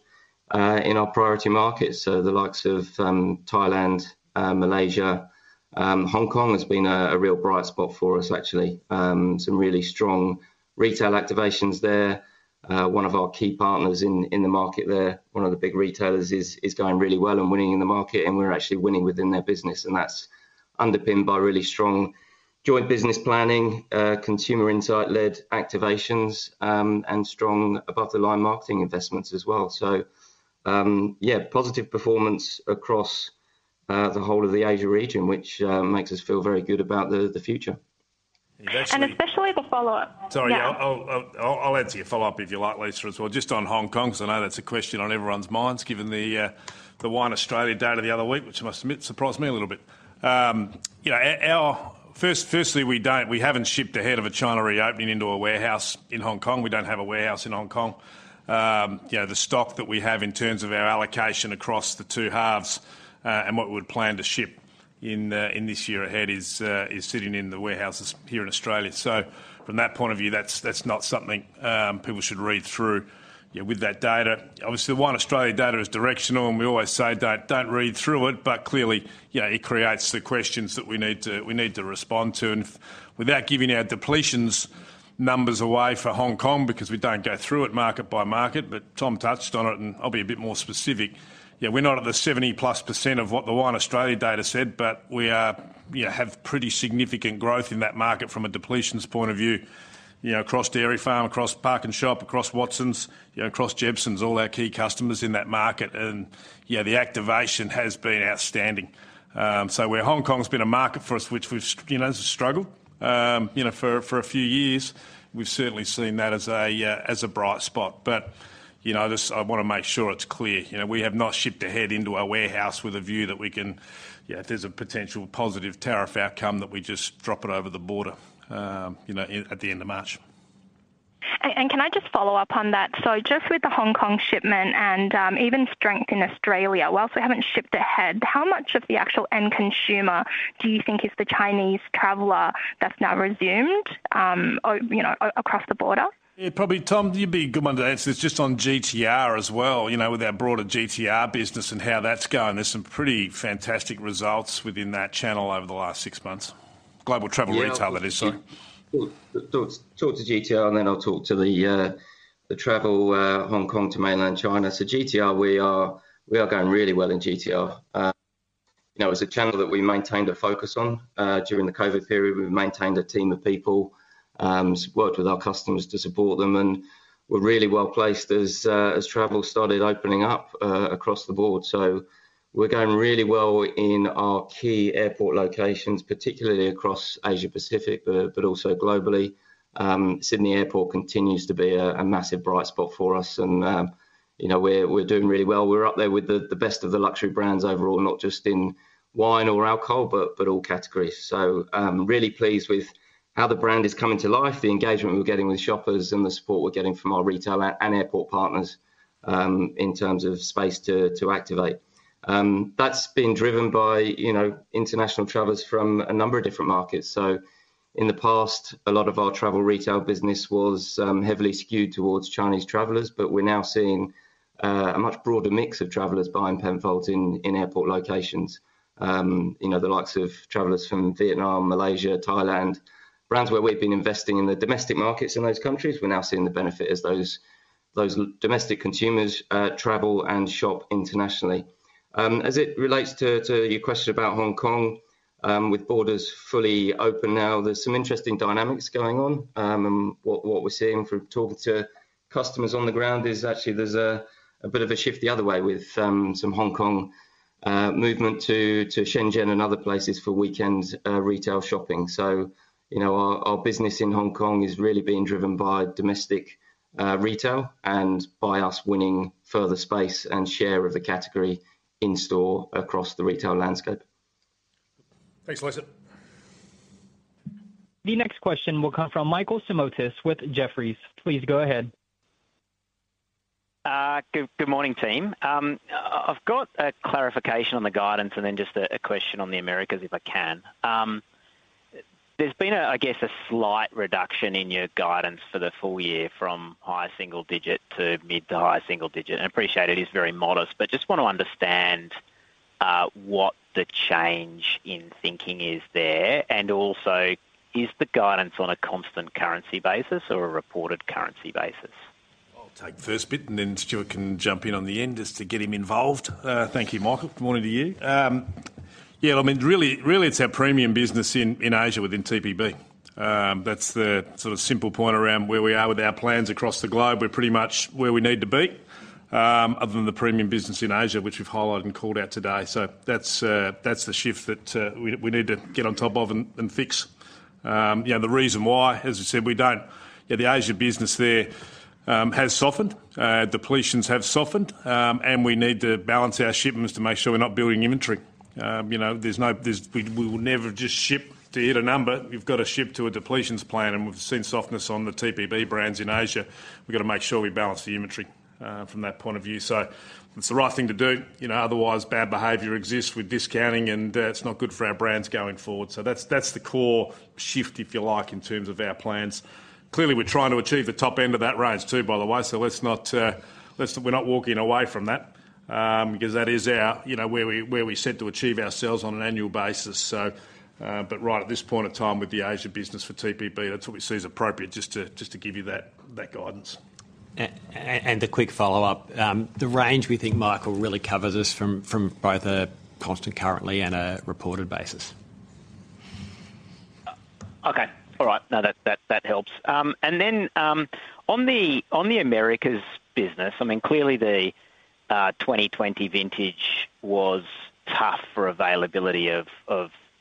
in our priority markets. So the likes of Thailand, Malaysia, Hong Kong has been a real bright spot for us, actually. Some really strong retail activations there. One of our key partners in the market there, one of the big retailers, is going really well and winning in the market, and we're actually winning within their business. And that's underpinned by really strong joint business planning, consumer insight-led activations, and strong above-the-line marketing investments as well. So yeah, positive performance across the whole of the Asia region, which makes us feel very good about the future. And especially the follow-up. Sorry. Yeah. I'll answer your follow-up if you like, Lisa, as well. Just on Hong Kong, because I know that's a question on everyone's minds, given the Wine Australia data the other week, which must surprise me a little bit. Firstly, we haven't shipped ahead of a China reopening into a warehouse in Hong Kong. We don't have a warehouse in Hong Kong. The stock that we have in terms of our allocation across the two halves and what we would plan to ship in this year ahead is sitting in the warehouses here in Australia. So from that point of view, that's not something people should read through with that data. Obviously, the Wine Australia data is directional, and we always say, "Don't read through it." But clearly, it creates the questions that we need to respond to. Without giving our depletions numbers away for Hong Kong, because we don't go through it market by market, but Tom touched on it, and I'll be a bit more specific. We're not at the 70%+ of what the Wine Australia data said, but we have pretty significant growth in that market from a depletions point of view, across Dairy Farm, across PARKnSHOP, across Watsons, across Jebsen's, all our key customers in that market. And the activation has been outstanding. So Hong Kong has been a market for us which we've struggled for a few years. We've certainly seen that as a bright spot. But I want to make sure it's clear. We have not shipped ahead into a warehouse with a view that we can if there's a potential positive tariff outcome, that we just drop it over the border at the end of March. And can I just follow up on that? So just with the Hong Kong shipment and even strength in Australia, while we haven't shipped ahead, how much of the actual end consumer do you think is the Chinese traveler that's now resumed across the border? Yeah. Probably Tom, you'd be a good one to answer. It's just on GTR as well, with our broader GTR business and how that's going. There's some pretty fantastic results within that channel over the last six months. Global travel retail, that is, sorry. Talk to GTR, and then I'll talk to the travel Hong Kong to mainland China. So GTR, we are going really well in GTR. It's a channel that we maintained a focus on during the COVID period. We've maintained a team of people, worked with our customers to support them, and were really well-placed as travel started opening up across the board. We're going really well in our key airport locations, particularly across Asia Pacific, but also globally. Sydney Airport continues to be a massive bright spot for us, and we're doing really well. We're up there with the best of the luxury brands overall, not just in wine or alcohol, but all categories. Really pleased with how the brand is coming to life, the engagement we're getting with shoppers, and the support we're getting from our retail and airport partners in terms of space to activate. That's been driven by international travellers from a number of different markets. So in the past, a lot of our travel retail business was heavily skewed toward Chinese travelers, but we're now seeing a much broader mix of travelers buying Penfolds in airport locations, the likes of travelers from Vietnam, Malaysia, Thailand. Brands where we've been investing in the domestic markets in those countries, we're now seeing the benefit as those domestic consumers travel and shop internationally. As it relates to your question about Hong Kong, with borders fully open now, there's some interesting dynamics going on. And what we're seeing from talking to customers on the ground is actually there's a bit of a shift the other way with some Hong Kong movement to Shenzhen and other places for weekend retail shopping. So our business in Hong Kong is really being driven by domestic retail and by us winning further space and share of the category in-store across the retail landscape. Thanks, Lisa. The next question will come from Michael Simotas with Jefferies. Please go ahead. Good morning, Tim. I've got a clarification on the guidance and then just a question on the Americas, if I can. There's been, I guess, a slight reduction in your guidance for the full year from high single digit to mid to high single digit. And I appreciate it is very modest, but just want to understand what the change in thinking is there. And also, is the guidance on a constant currency basis or a reported currency basis? I'll take first bit, and then Stuart can jump in on the end just to get him involved. Thank you, Michael. Good morning to you. Yeah. I mean, really, it's our premium business in Asia within TPB. That's the sort of simple point around where we are with our plans across the globe. We're pretty much where we need to be, other than the premium business in Asia, which we've highlighted and called out today. So that's the shift that we need to get on top of and fix. The reason why, as we said, we noted the Asia business there has softened. Depletions have softened, and we need to balance our shipments to make sure we're not building inventory. We will never just ship to hit a number. We've got to ship to a depletions plan, and we've seen softness on the TPB brands in Asia. We've got to make sure we balance the inventory from that point of view. So it's the right thing to do. Otherwise, bad behavior exists with discounting, and it's not good for our brands going forward. So that's the core shift, if you like, in terms of our plans. Clearly, we're trying to achieve the top end of that range, too, by the way. So we're not walking away from that, because that is where we're set to achieve ourselves on an annual basis. But right at this point in time with the Asia business for TPB, that's what we see as appropriate, just to give you that guidance. And a quick follow-up. The range we think Michael really covers us from both a constant currency and a reported basis. Okay. All right. No, that helps. And then on the Americas business, I mean, clearly the 2020 vintage was tough for availability of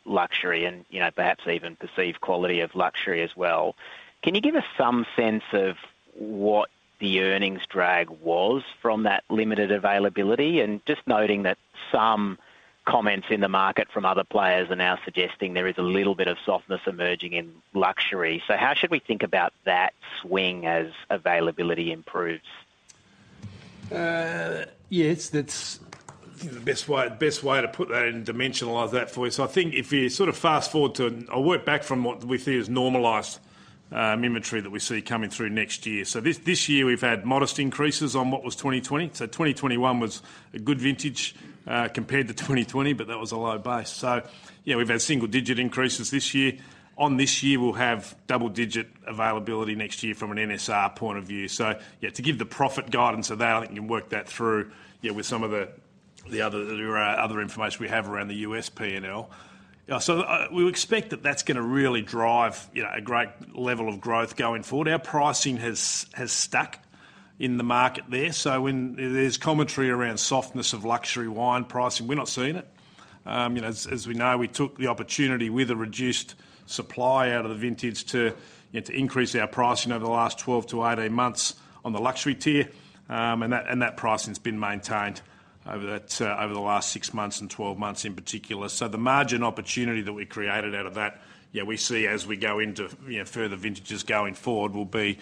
luxury and perhaps even perceived quality of luxury as well. Can you give us some sense of what the earnings drag was from that limited availability? Just noting that some comments in the market from other players are now suggesting there is a little bit of softness emerging in luxury. So how should we think about that swing as availability improves? Yeah. The best way to put that and dimensionalize that for you? So I think if you sort of fast-forward to I work back from what we see as normalized inventory that we see coming through next year. This year, we've had modest increases on what was 2020. 2021 was a good vintage compared to 2020, but that was a low base. Yeah, we've had single-digit increases this year. On this year, we'll have double-digit availability next year from an NSR point of view. So yeah, to give the profit guidance of that, I think you can work that through with some of the other information we have around the U.S. P&L. So we expect that that's going to really drive a great level of growth going forward. Our pricing has stuck in the market there. So when there's commentary around softness of luxury wine pricing, we're not seeing it. As we know, we took the opportunity with a reduced supply out of the vintage to increase our pricing over the last 12-18 months on the luxury tier, and that pricing has been maintained over the last six months and 12 months in particular. So the margin opportunity that we created out of that, yeah, we see as we go into further vintages going forward will be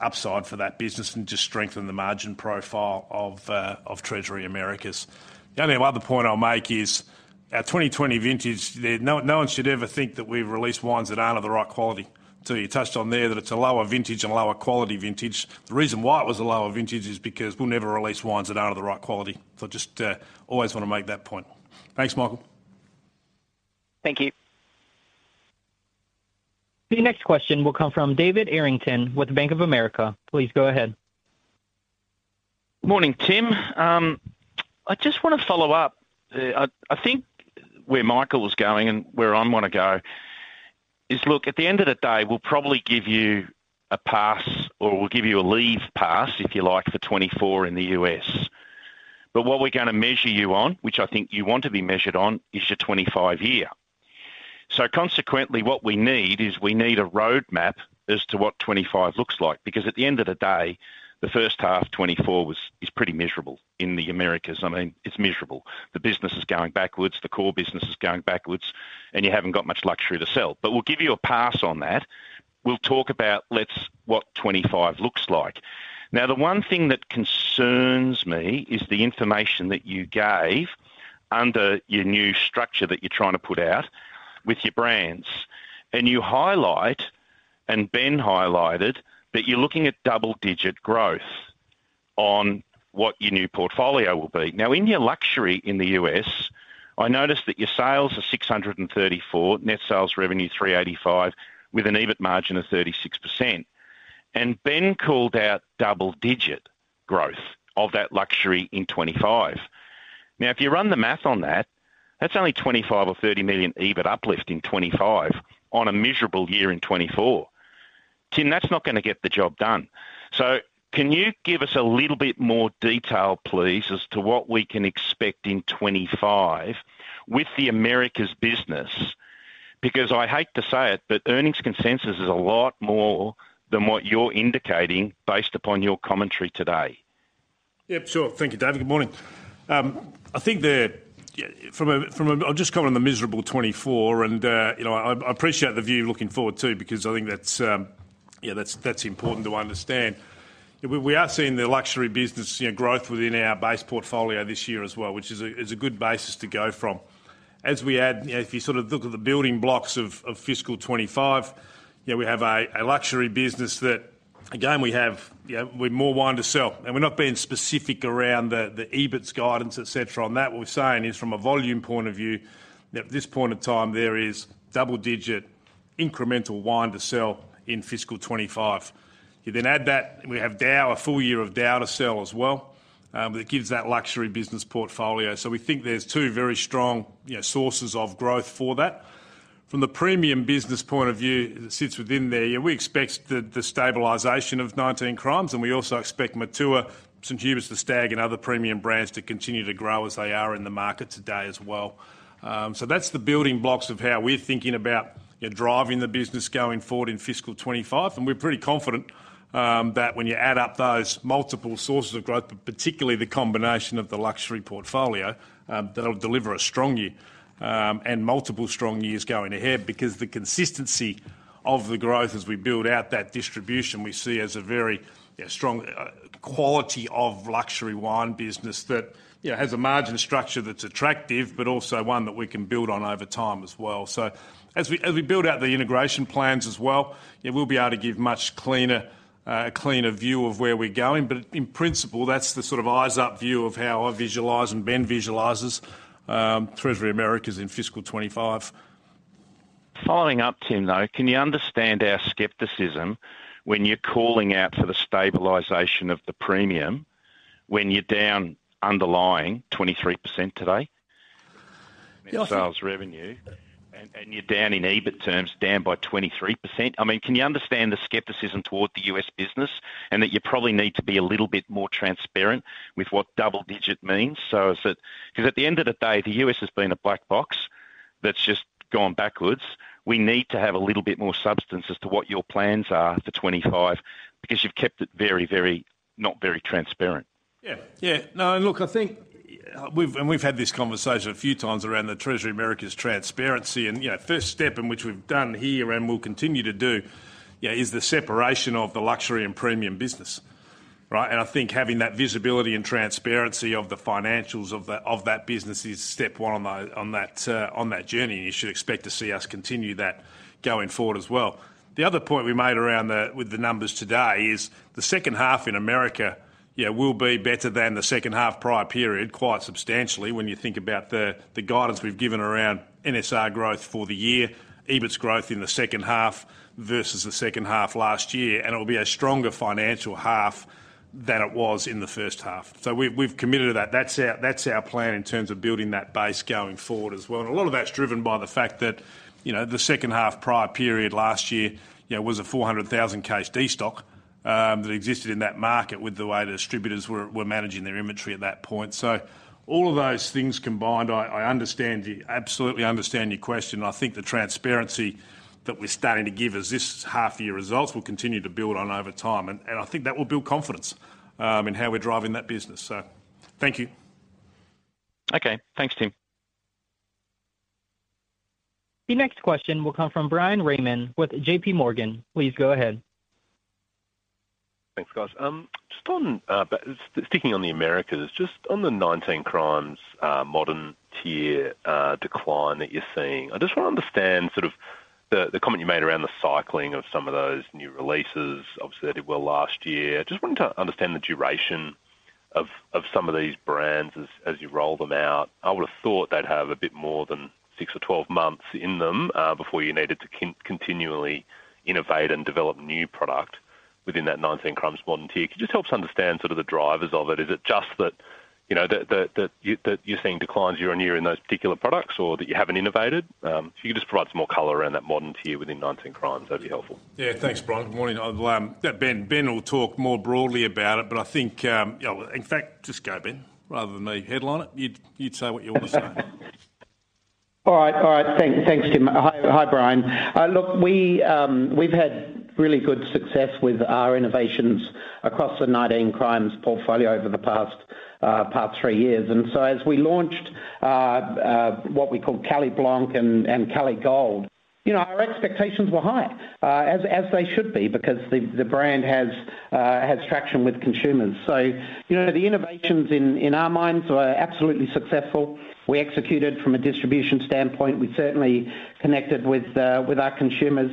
upside for that business and just strengthen the margin profile of Treasury Americas. The only other point I'll make is our 2020 vintage, no one should ever think that we've released wines that aren't of the right quality. So you touched on there that it's a lower vintage and lower quality vintage. The reason why it was a lower vintage is because we'll never release wines that aren't of the right quality. So I just always want to make that point. Thanks, Michael. Thank you. The next question will come from David Errington with Bank of America. Please go ahead. Good morning, Tim. I just want to follow up. I think where Michael's going and where I want to go is, look, at the end of the day, we'll probably give you a pass or we'll give you a leave pass, if you like, for 2024 in the U.S. But what we're going to measure you on, which I think you want to be measured on, is your 2025 year. So consequently, what we need is we need a roadmap as to what 2025 looks like, because at the end of the day, the first half 2024 is pretty miserable in the Americas. I mean, it's miserable. The business is going backwards. The core business is going backwards, and you haven't got much luxury to sell. But we'll give you a pass on that. We'll talk about what 2025 looks like. Now, the one thing that concerns me is the information that you gave under your new structure that you're trying to put out with your brands. And you highlight and Ben highlighted that you're looking at double-digit growth on what your new portfolio will be. Now, in your luxury in the U.S., I noticed that your sales are $634, net sales revenue $385, with an EBIT margin of 36%. And Ben called out double-digit growth of that luxury in 2025. Now, if you run the math on that, that's only $25 or $30 million EBIT uplift in 2025 on a miserable year in 2024. Tim, that's not going to get the job done. So can you give us a little bit more detail, please, as to what we can expect in 2025 with the Americas business? Because I hate to say it, but earnings consensus is a lot more than what you're indicating based upon your commentary today. Yeah. Sure. Thank you, David. Good morning. I think from a I'll just comment on the miserable 2024. And I appreciate the view looking forward too, because I think that's important to understand. We are seeing the luxury business growth within our base portfolio this year as well, which is a good basis to go from. As we add if you sort of look at the building blocks of fiscal 2025, we have a luxury business that, again, we have more wine to sell. And we're not being specific around the EBITS guidance, etc., on that. What we're saying is, from a volume point of view, at this point in time, there is double-digit incremental wine to sell in fiscal 2025. You then add that, and we have DAOU a full year of DAOU to sell as well, but it gives that luxury business portfolio. So we think there's two very strong sources of growth for that. From the premium business point of view that sits within there, we expect the stabilization of 19 Crimes, and we also expect Matua, St. Hubert's The Stag, and other premium brands to continue to grow as they are in the market today as well. So that's the building blocks of how we're thinking about driving the business going forward in fiscal 2025. And we're pretty confident that when you add up those multiple sources of growth, but particularly the combination of the luxury portfolio, that'll deliver a strong year and multiple strong years going ahead, because the consistency of the growth as we build out that distribution we see as a very strong quality of luxury wine business that has a margin structure that's attractive, but also one that we can build on over time as well. So as we build out the integration plans as well, we'll be able to give a much cleaner view of where we're going. But in principle, that's the sort of eyes-up view of how I visualize and Ben visualizes Treasury Americas in fiscal 2025. Following up, Tim, though, can you understand our skepticism when you're calling out for the stabilization of the premium when you're down underlying 23% today, net sales revenue, and you're down in EBIT terms down by 23%? I mean, can you understand the skepticism toward the US business and that you probably need to be a little bit more transparent with what double-digit means? Because at the end of the day, the U.S. has been a black box that's just gone backwards. We need to have a little bit more substance as to what your plans are for 2025, because you've kept it very, very not very transparent. Yeah. Yeah. No. And look, I think and we've had this conversation a few times around the Treasury Americas transparency. First step, and which we've done here and we'll continue to do, is the separation of the luxury and premium business, right? And I think having that visibility and transparency of the financials of that business is step one on that journey, and you should expect to see us continue that going forward as well. The other point we made around with the numbers today is the second half in America will be better than the second half prior period quite substantially when you think about the guidance we've given around NSR growth for the year, EBITS growth in the second half versus the second half last year. And it'll be a stronger financial half than it was in the first half. So we've committed to that. That's our plan in terms of building that base going forward as well. A lot of that's driven by the fact that the second half prior period last year was a 400,000 case destock that existed in that market with the way the distributors were managing their inventory at that point. So all of those things combined, I absolutely understand your question. And I think the transparency that we're starting to give as this half-year results will continue to build on over time. And I think that will build confidence in how we're driving that business. So thank you. Okay. Thanks, Tim. The next question will come from Bryan Raymond with JPMorgan. Please go ahead. Thanks, guys. Sticking on the Americas, just on the 19 Crimes Modern tier decline that you're seeing, I just want to understand sort of the comment you made around the cycling of some of those new releases. Obviously, they did well last year. Just wanting to understand the duration of some of these brands as you roll them out. I would have thought they'd have a bit more than 6 or 12 months in them before you needed to continually innovate and develop new product within that 19 Crimes Modern tier. Could you just help us understand sort of the drivers of it? Is it just that you're seeing declines year-over-year in those particular products, or that you haven't innovated? If you could just provide some more color around that Modern tier within 19 Crimes, that'd be helpful. Yeah. Thanks, Bryan. Good morning. Ben will talk more broadly about it, but I think in fact, just go, Ben, rather than me headline it. You'd say what you want to say. All right. All right. Thanks, Tim. Hi, Bryan. Look, we've had really good success with our innovations across the 19 Crimes portfolio over the past three years. And so as we launched what we called Cali Blanc and Cali Gold, our expectations were high as they should be, because the brand has traction with consumers. So the innovations in our minds were absolutely successful. We executed from a distribution standpoint. We certainly connected with our consumers.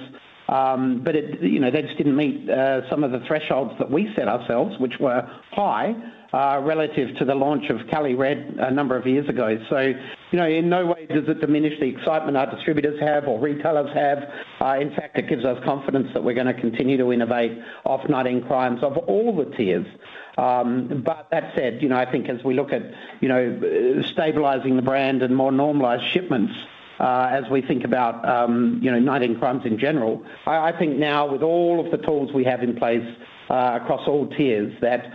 But they just didn't meet some of the thresholds that we set ourselves, which were high relative to the launch of Cali Red a number of years ago. So in no way does it diminish the excitement our distributors have or retailers have. In fact, it gives us confidence that we're going to continue to innovate off 19 Crimes of all the tiers. But that said, I think as we look at stabilizing the brand and more normalized shipments as we think about 19 Crimes in general, I think now, with all of the tools we have in place across all tiers, that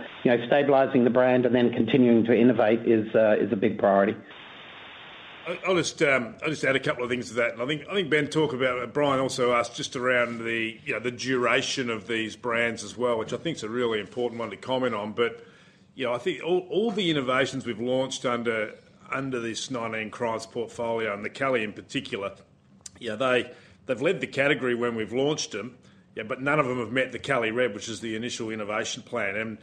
stabilizing the brand and then continuing to innovate is a big priority. I'll just add a couple of things to that. And I think, Ben, talk about Brian also asked just around the duration of these brands as well, which I think's a really important one to comment on. But I think all the innovations we've launched under this 19 Crimes portfolio and the Cali in particular, they've led the category when we've launched them, but none of them have met the Cali Red, which is the initial innovation plan. And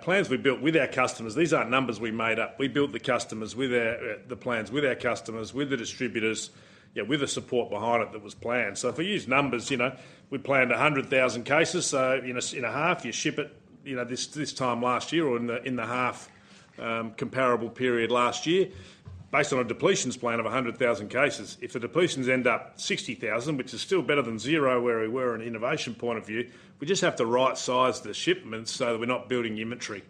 plans we built with our customers these aren't numbers we made up. We built the plans with our customers, with the distributors, with the support behind it that was planned. So if we use numbers, we planned 100,000 cases. So in a half, you ship it this time last year or in the half-comparable period last year. Based on a depletions plan of 100,000 cases, if the depletions end up 60,000, which is still better than zero where we were in an innovation point of view, we just have to right-size the shipments so that we're not building inventory.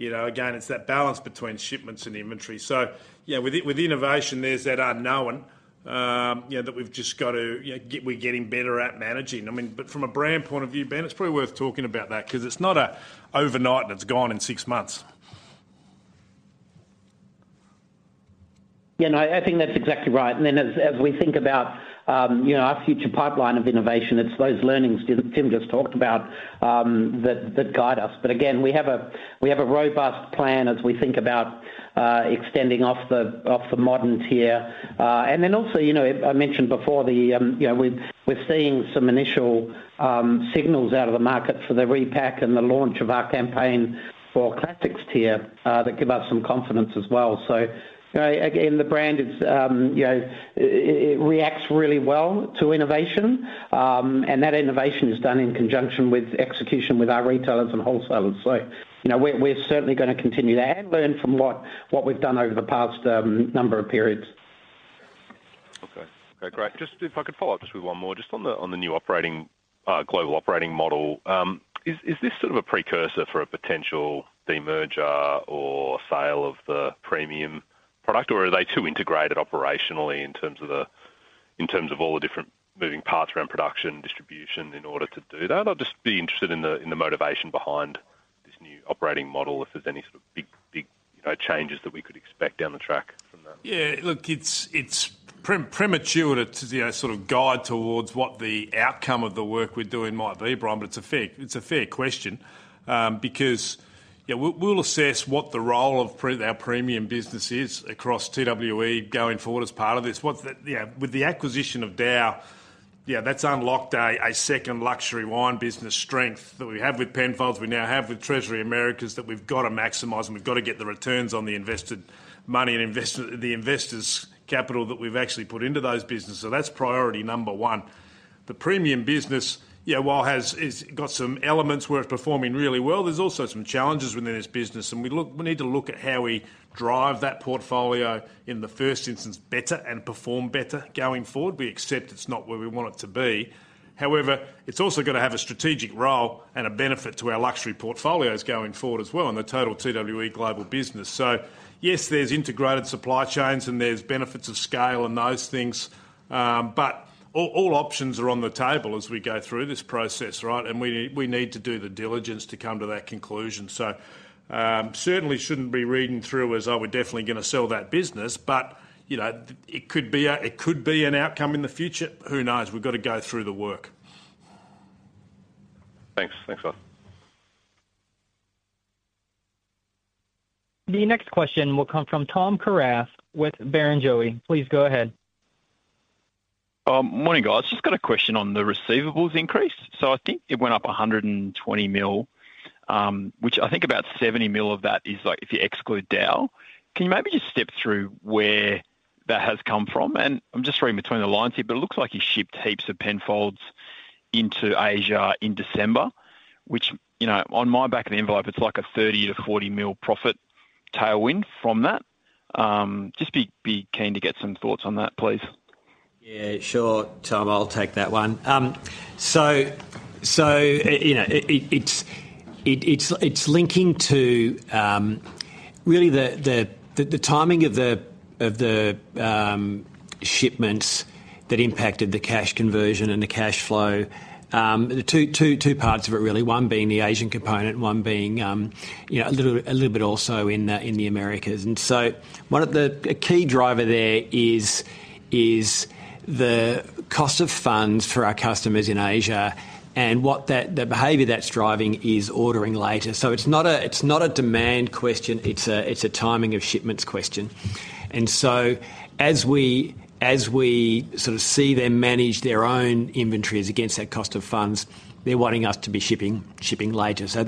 Again, it's that balance between shipments and inventory. So with innovation, there's that unknown that we've just got to we're getting better at managing. I mean, but from a brand point of view, Ben, it's probably worth talking about that, because it's not overnight and it's gone in six months. Yeah. No. I think that's exactly right. And then as we think about our future pipeline of innovation, it's those learnings Tim just talked about that guide us. But again, we have a robust plan as we think about extending off the modern tier. And then also, I mentioned before, we're seeing some initial signals out of the market for the repack and the launch of our campaign for Classics tier that give us some confidence as well. So again, the brand, it reacts really well to innovation. And that innovation is done in conjunction with execution with our retailers and wholesalers. So we're certainly going to continue that and learn from what we've done over the past number of periods. Okay. Okay. Great. If I could follow up just with one more, just on the new global operating model, is this sort of a precursor for a potential demerger or sale of the premium product, or are they too integrated operationally in terms of all the different moving parts around production, distribution in order to do that? I'd just be interested in the motivation behind this new operating model, if there's any sort of big changes that we could expect down the track from that. Yeah. Look, it's premature to sort of guide towards what the outcome of the work we're doing might be, Bryan, but it's a fair question, because we'll assess what the role of our premium business is across TWE going forward as part of this. With the acquisition of DAOU, that's unlocked a second luxury wine business strength that we have with Penfolds, we now have with Treasury Americas that we've got to maximize, and we've got to get the returns on the invested money and the investors' capital that we've actually put into those businesses. So that's priority number one. The premium business, while it's got some elements where it's performing really well, there's also some challenges within this business. And we need to look at how we drive that portfolio in the first instance better and perform better going forward. We accept it's not where we want it to be. However, it's also going to have a strategic role and a benefit to our luxury portfolios going forward as well and the total TWE global business. So yes, there's integrated supply chains, and there's benefits of scale and those things. But all options are on the table as we go through this process, right? And we need to do the diligence to come to that conclusion. So certainly shouldn't be reading through as, "Oh, we're definitely going to sell that business." But it could be an outcome in the future. Who knows? We've got to go through the work. Thanks. Thanks, guys. The next question will come from Tom Kierath with Barrenjoey. Please go ahead. Morning, guys. Just got a question on the receivables increase. So I think it went up 120 million, which I think about 70 million of that is if you exclude DAOU. Can you maybe just step through where that has come from? I'm just reading between the lines here, but it looks like you shipped heaps of Penfolds into Asia in December, which on my back-of-the-envelope, it's like a 30 million-40 million profit tailwind from that. Just keen to get some thoughts on that, please. Yeah. Sure, Tom. I'll take that one. So it's linking to really the timing of the shipments that impacted the cash conversion and the cash flow. Two parts of it, really. One being the Asian component and one being a little bit also in the Americas. And so a key driver there is the cost of funds for our customers in Asia and what the behavior that's driving is ordering later. So it's not a demand question. It's a timing of shipments question. And so as we sort of see them manage their own inventories against that cost of funds, they're wanting us to be shipping later. So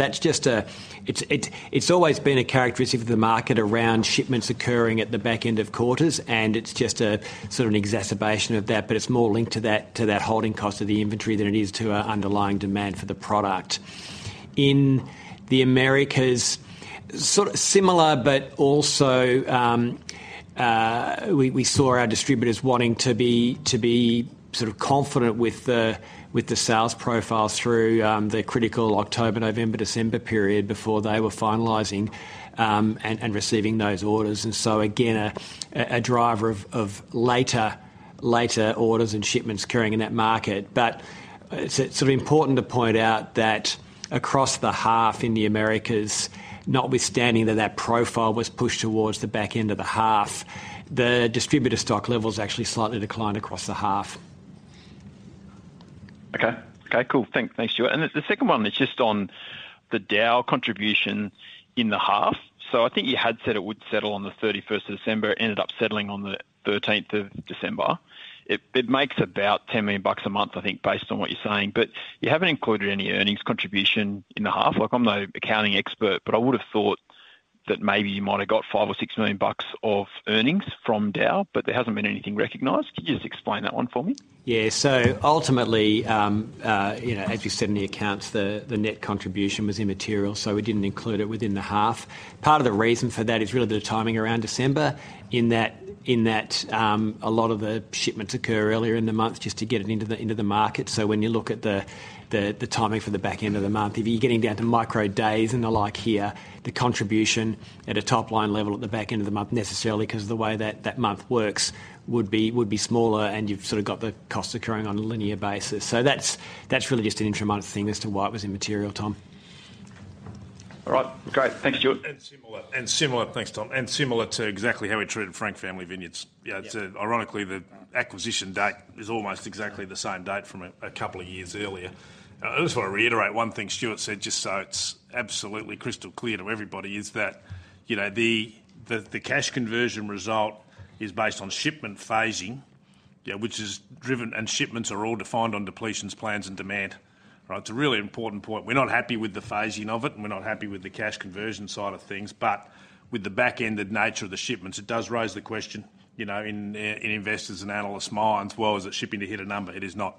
it's always been a characteristic of the market around shipments occurring at the back end of quarters. And it's just sort of an exacerbation of that, but it's more linked to that holding cost of the inventory than it is to our underlying demand for the product. In the Americas, sort of similar, but also we saw our distributors wanting to be sort of confident with the sales profiles through the critical October, November, December period before they were finalizing and receiving those orders. And so again, a driver of later orders and shipments occurring in that market. But it's sort of important to point out that across the half in the Americas, notwithstanding that that profile was pushed towards the back end of the half, the distributor stock levels actually slightly declined across the half. Okay. Okay. Cool. Thanks. Thanks, Stuart. And the second one, it's just on the DAOU contribution in the half. So I think you had said it would settle on the 31st of December. It ended up settling on the 13th of December. It makes about $10 million a month, I think, based on what you're saying. But you haven't included any earnings contribution in the half. I'm no accounting expert, but I would have thought that maybe you might have got $5 million or $6 million of earnings from DAOU, but there hasn't been anything recognized. Could you just explain that one for me? Yeah. So ultimately, as we said in the accounts, the net contribution was immaterial, so we didn't include it within the half. Part of the reason for that is really the timing around December in that a lot of the shipments occur earlier in the month just to get it into the market. So when you look at the timing for the back end of the month, if you're getting down to microdays and the like here, the contribution at a top-line level at the back end of the month, necessarily because of the way that month works, would be smaller, and you've sort of got the costs occurring on a linear basis. So that's really just an intramonth thing as to why it was immaterial, Tom. All right. Great. Thanks, Stuart. And similar. And similar. Thanks, Tom. And similar to exactly how we treated Frank Family Vineyards. Ironically, the acquisition date is almost exactly the same date from a couple of years earlier. I just want to reiterate one thing Stuart said just so it's absolutely crystal clear to everybody is that the cash conversion result is based on shipment phasing, which is driven and shipments are all defined on depletions plans and demand, right? It's a really important point. We're not happy with the phasing of it, and we're not happy with the cash conversion side of things. But with the back-ended nature of the shipments, it does raise the question in investors' and analysts' minds, "Well, is it shipping to hit a number?" It is not.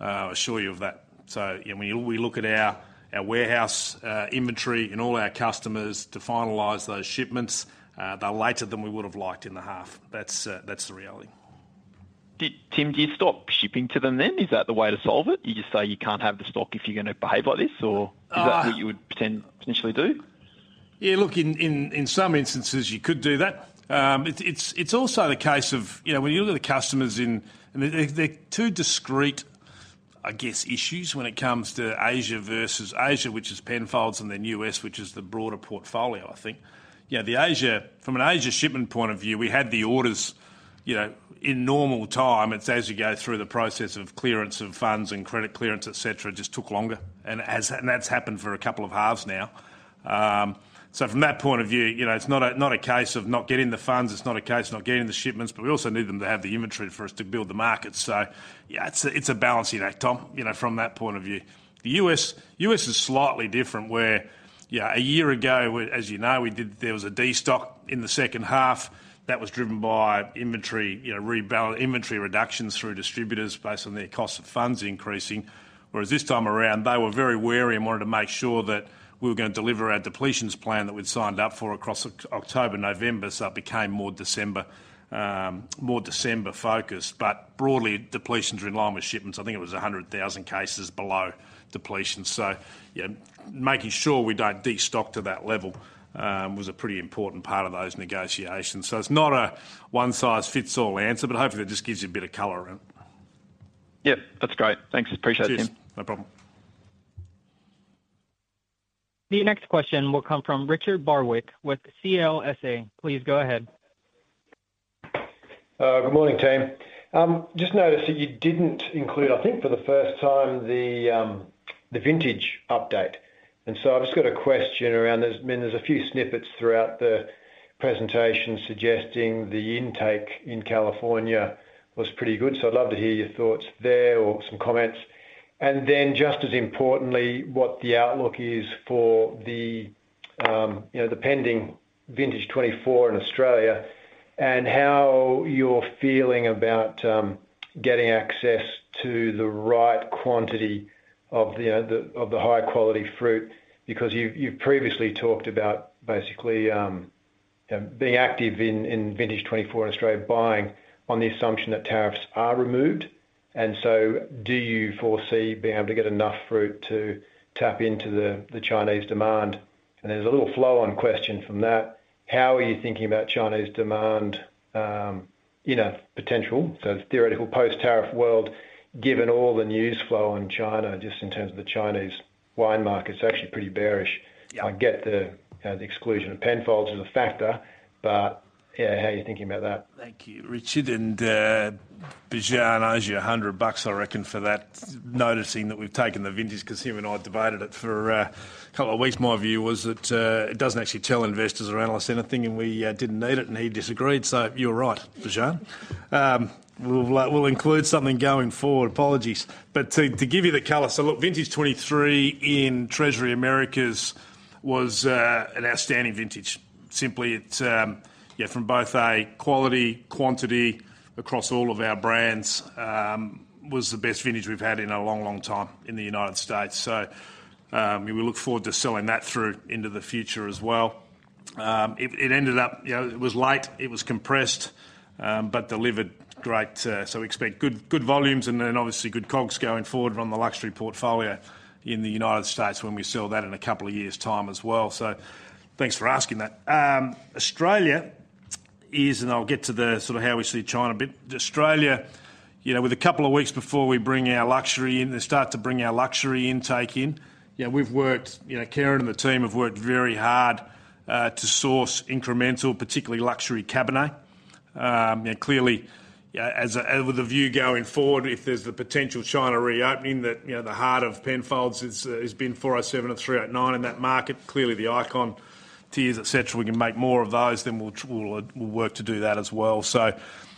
Assure you of that. So when we look at our warehouse inventory and all our customers to finalize those shipments, they're later than we would have liked in the half. That's the reality. Tim, do you stop shipping to them then? Is that the way to solve it? You just say you can't have the stock if you're going to behave like this, or is that what you would potentially do? Yeah. Look, in some instances, you could do that. It's also the case of when you look at the customers in and they're two discrete, I guess, issues when it comes to Asia versus Asia, which is Penfolds and then U.S., which is the broader portfolio, I think. From an Asia shipment point of view, we had the orders in normal time. It's as you go through the process of clearance of funds and credit clearance, etc., it just took longer. And that's happened for a couple of halves now. So from that point of view, it's not a case of not getting the funds. It's not a case of not getting the shipments. But we also need them to have the inventory for us to build the market. So yeah, it's a balancing act, Tom, from that point of view. The U.S. is slightly different where a year ago, as you know, there was a de-stock in the second half that was driven by inventory reductions through distributors based on their cost of funds increasing. Whereas this time around, they were very wary and wanted to make sure that we were going to deliver our depletions plan that we'd signed up for across October, November. So it became more December-focused. But broadly, depletions are in line with shipments. I think it was 100,000 cases below depletions. So making sure we don't de-stock to that level was a pretty important part of those negotiations. So it's not a one-size-fits-all answer, but hopefully, that just gives you a bit of color in it. Yeah. That's great. Thanks. Appreciate it, Tim. Cheers. No problem. The next question will come from Richard Barwick with CLSA. Please go ahead. Good morning, Tim. Just noticed that you didn't include, I think, for the first time, the vintage update. And so I've just got a question around I mean, there's a few snippets throughout the presentation suggesting the intake in California was pretty good. So I'd love to hear your thoughts there or some comments. And then just as importantly, what the outlook is for the pending Vintage 2024 in Australia and how you're feeling about getting access to the right quantity of the high-quality fruit, because you've previously talked about basically being active in Vintage 2024 in Australia, buying on the assumption that tariffs are removed. And so do you foresee being able to get enough fruit to tap into the Chinese demand? And there's a little flow-on question from that. How are you thinking about Chinese demand potential? So the theoretical post-tariff world, given all the news flow on China just in terms of the Chinese wine market, it's actually pretty bearish. I get the exclusion of Penfolds as a factor, but how are you thinking about that? Thank you. Richard and Bijan asked you $100, I reckon, for that, noticing that we've taken the vintage because him and I debated it for a couple of weeks. My view was that it doesn't actually tell investors or analysts anything, and we didn't need it, and he disagreed. So you're right, Bijan. We'll include something going forward. Apologies. But to give you the color, so look, Vintage 2023 in Treasury Americas was an outstanding vintage. Simply, from both a quality, quantity across all of our brands, was the best vintage we've had in a long, long time in the United States. So we look forward to selling that through into the future as well. It ended up it was late. It was compressed but delivered great. So we expect good volumes and then obviously good COGS going forward on the luxury portfolio in the United States when we sell that in a couple of years' time as well. So thanks for asking that. Australia is and I'll get to the sort of how we see China a bit. Australia, with a couple of weeks before we bring our luxury in they start to bring our luxury intake in. Kerrin and the team have worked very hard to source incremental, particularly luxury Cabernet. Clearly, with the view going forward, if there's the potential China reopening, the heart of Penfolds has been 407 and 389 in that market. Clearly, the Icon tiers, etc., we can make more of those. Then we'll work to do that as well. So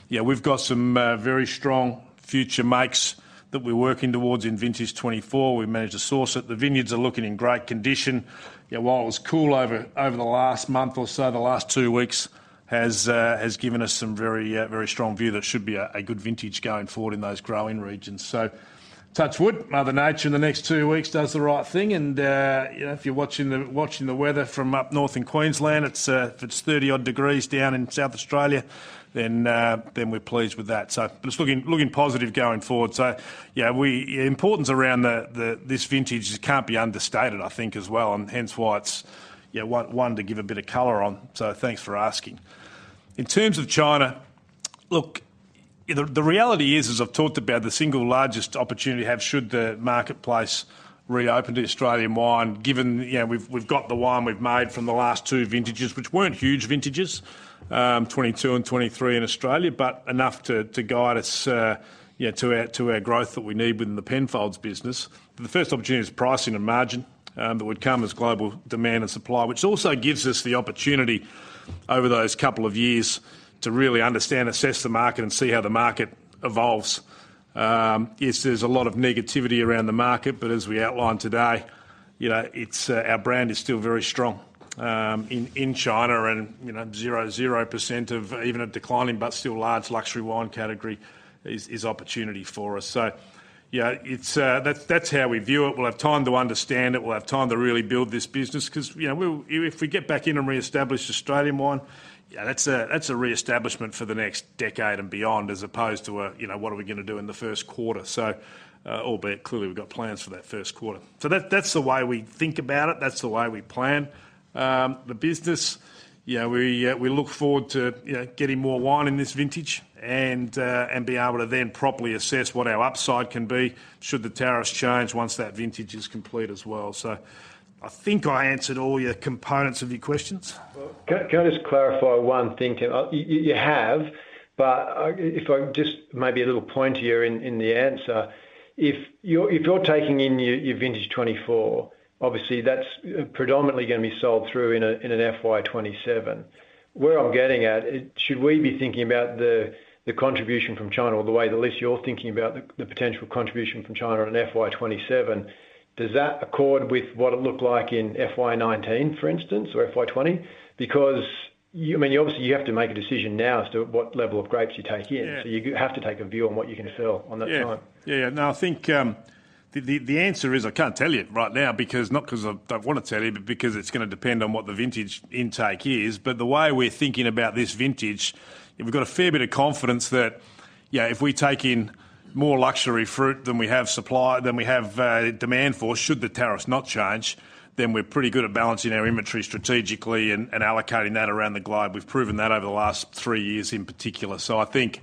yeah, we've got some very strong future makes that we're working towards in Vintage 2024. We've managed to source it. The vineyards are looking in great condition. While it was cool over the last month or so, the last two weeks has given us some very strong view that it should be a good vintage going forward in those growing regions. So touch wood. Mother Nature in the next two weeks does the right thing. And if you're watching the weather from up north in Queensland, if it's 30-odd degrees down in South Australia, then we're pleased with that. So looking positive going forward. So yeah, importance around this vintage can't be understated, I think, as well. And hence why it's one to give a bit of color on. So thanks for asking. In terms of China, look, the reality is, as I've talked about, the single largest opportunity to have should the marketplace reopen to Australian wine, given we've got the wine we've made from the last two vintages, which weren't huge vintages, 2022 and 2023 in Australia, but enough to guide us to our growth that we need within the Penfolds business. The first opportunity is pricing and margin that would come as global demand and supply, which also gives us the opportunity over those couple of years to really understand, assess the market, and see how the market evolves. There's a lot of negativity around the market, but as we outlined today, our brand is still very strong in China. 0% of even a declining but still large luxury wine category is opportunity for us. So yeah, that's how we view it. We'll have time to understand it. We'll have time to really build this business because if we get back in and reestablish Australian wine, that's a reestablishment for the next decade and beyond as opposed to what are we going to do in the first quarter. So albeit, clearly, we've got plans for that first quarter. So that's the way we think about it. That's the way we plan the business. We look forward to getting more wine in this vintage and be able to then properly assess what our upside can be should the tariffs change once that vintage is complete as well. So I think I answered all your components of your questions. Can I just clarify one thing, Tim? You have, but if I just maybe a little pointer here in the answer. If you're taking in your Vintage 2024, obviously, that's predominantly going to be sold through in an FY2027. Where I'm getting at, should we be thinking about the contribution from China or the way at least you're thinking about the potential contribution from China on an FY2027, does that accord with what it looked like in FY2019, for instance, or FY2020? Because I mean, obviously, you have to make a decision now as to what level of grapes you take in. So you have to take a view on what you can sell on that time. Yeah. Yeah. Yeah. Now, I think the answer is I can't tell you right now because, not because I don't want to tell you, but because it's going to depend on what the vintage intake is. But the way we're thinking about this vintage, we've got a fair bit of confidence that if we take in more luxury fruit than we have supply, than we have demand for should the tariffs not change, then we're pretty good at balancing our inventory strategically and allocating that around the globe. We've proven that over the last three years in particular. So I think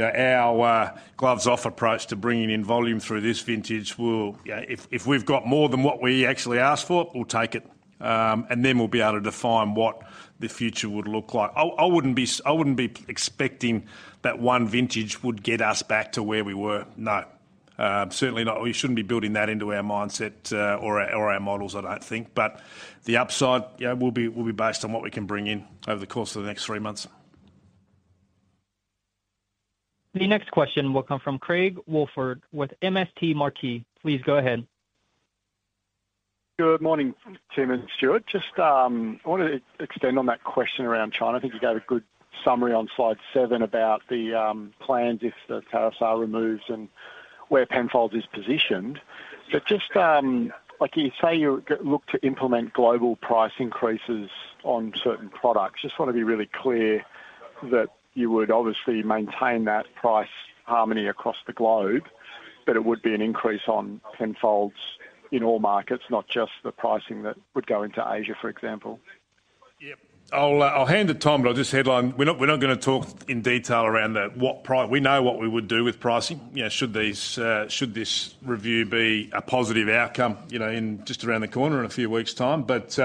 our gloves-off approach to bringing in volume through this vintage will if we've got more than what we actually asked for, we'll take it. And then we'll be able to define what the future would look like. I wouldn't be expecting that one vintage would get us back to where we were. No. Certainly not. We shouldn't be building that into our mindset or our models, I don't think. But the upside will be based on what we can bring in over the course of the next three months. The next question will come from Craig Woolford with MST Marquee. Please go ahead. Good morning, Tim and Stuart. Just I want to extend on that question around China. I think you gave a good summary on slide seven about the plans if the tariffs are removed and where Penfolds is positioned. But just like you say you look to implement global price increases on certain products, just want to be really clear that you would obviously maintain that price harmony across the globe, but it would be an increase on Penfolds in all markets, not just the pricing that would go into Asia, for example. Yeah. I'll hand it to Tom, but I'll just headline. We're not going to talk in detail around that. We know what we would do with pricing should this review be a positive outcome just around the corner in a few weeks' time. But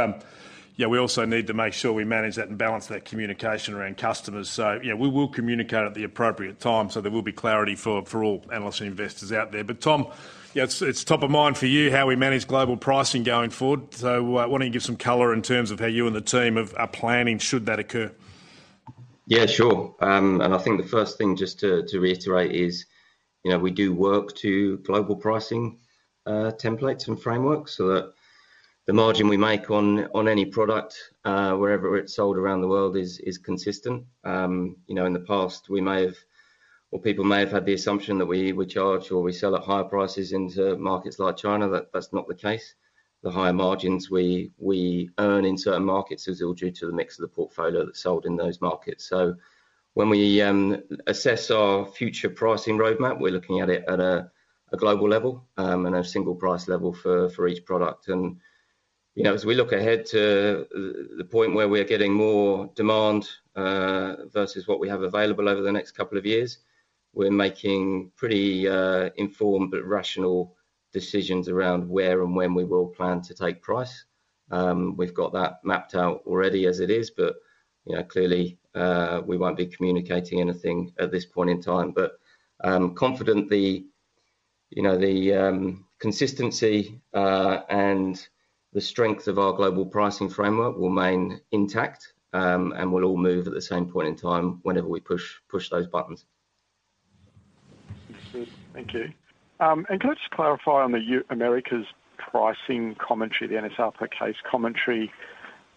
yeah, we also need to make sure we manage that and balance that communication around customers. So we will communicate at the appropriate time so there will be clarity for all analysts and investors out there. But Tom, it's top of mind for you how we manage global pricing going forward. So I want to give some color in terms of how you and the team are planning should that occur. Yeah. Sure. And I think the first thing just to reiterate is we do work to global pricing templates and frameworks so that the margin we make on any product, wherever it's sold around the world, is consistent. In the past, we may have or people may have had the assumption that we charge or we sell at higher prices into markets like China. That's not the case. The higher margins we earn in certain markets is all due to the mix of the portfolio that's sold in those markets. So when we assess our future pricing roadmap, we're looking at it at a global level and a single price level for each product. And as we look ahead to the point where we're getting more demand versus what we have available over the next couple of years, we're making pretty informed but rational decisions around where and when we will plan to take price. We've got that mapped out already as it is. But clearly, we won't be communicating anything at this point in time. But confident, the consistency and the strength of our global pricing framework will remain intact, and we'll all move at the same point in time whenever we push those buttons. Thank you. And can I just clarify on the Americas pricing commentary, the NSR case commentary?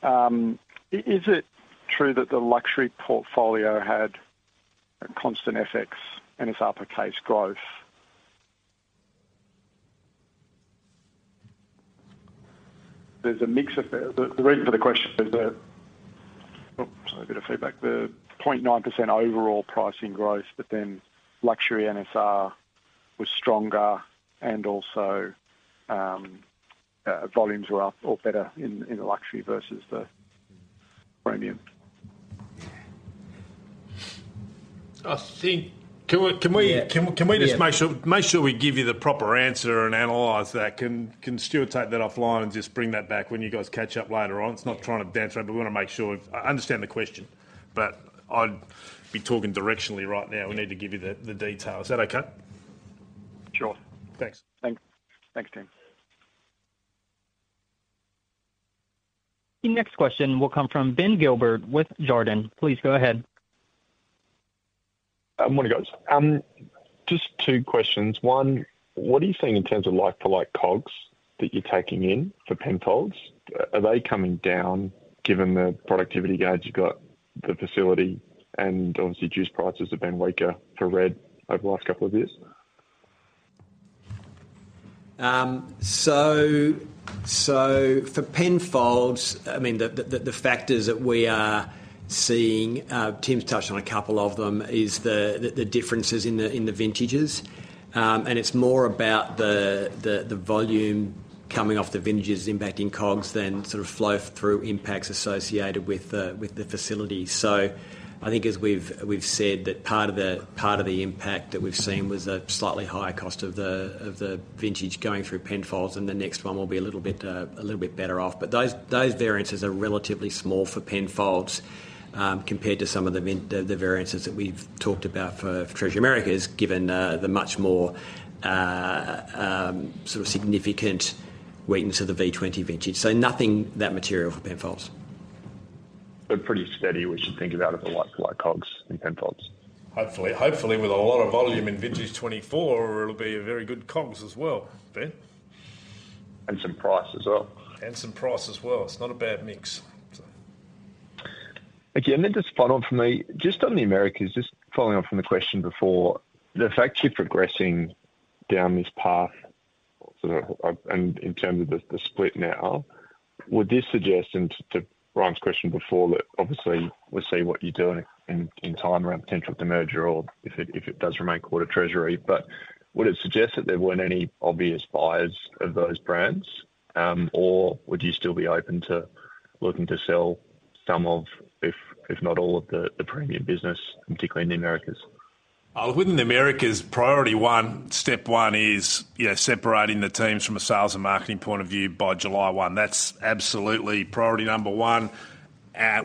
Is it true that the luxury portfolio had constant FX, NSR case growth? There's a mix of the reason for the question is that oops, I've got a bit of feedback. The 0.9% overall pricing growth, but then luxury NSR was stronger and also volumes were up or better in the luxury versus the premium. Can we just make sure we give you the proper answer and analyze that? Can Stuart take that offline and just bring that back when you guys catch up later on? It's not trying to dance around, but we want to make sure I understand the question. But I'd be talking directionally right now. We need to give you the detail. Is that okay? Sure. Thanks. Thanks, Tim. The next question will come from Ben Gilbert with Jarden. Please go ahead. Morning, guys. Just two questions. One, what are you seeing in terms of like-for-like COGS that you're taking in for Penfolds? Are they coming down given the productivity gains you've got? The facility and obviously, juice prices have been weaker for red over the last couple of years. So for Penfolds, I mean, the factors that we are seeing Tim's touched on a couple of them is the differences in the vintages. And it's more about the volume coming off the vintages impacting COGS than sort of flow-through impacts associated with the facility. So I think as we've said that part of the impact that we've seen was a slightly higher cost of the vintage going through Penfolds, and the next one will be a little bit better off. But those variances are relatively small for Penfolds compared to some of the variances that we've talked about for Treasury Americas given the much more sort of significant weakness of the V20 vintage. So nothing that material for Penfolds. But pretty steady, we should think about it for like-to-like COGS in Penfolds. Hopefully. Hopefully, with a lot of volume in Vintage 2024, it'll be very good COGS as well, Ben? And some price as well. And some price as well. It's not a bad mix, so. Again, then just following up for me, just on the Americas, just following up from the question before, the fact you're progressing down this path sort of in terms of the split now, would this suggest and to Ryan's question before that obviously, we'll see what you're doing in time around potential merger or if it does remain core Treasury, but would it suggest that there weren't any obvious buyers of those brands, or would you still be open to looking to sell some of, if not all, of the premium business, particularly in the Americas? Within the Americas, priority one, step one is separating the teams from a sales and marketing point of view by July 1. That's absolutely priority number 1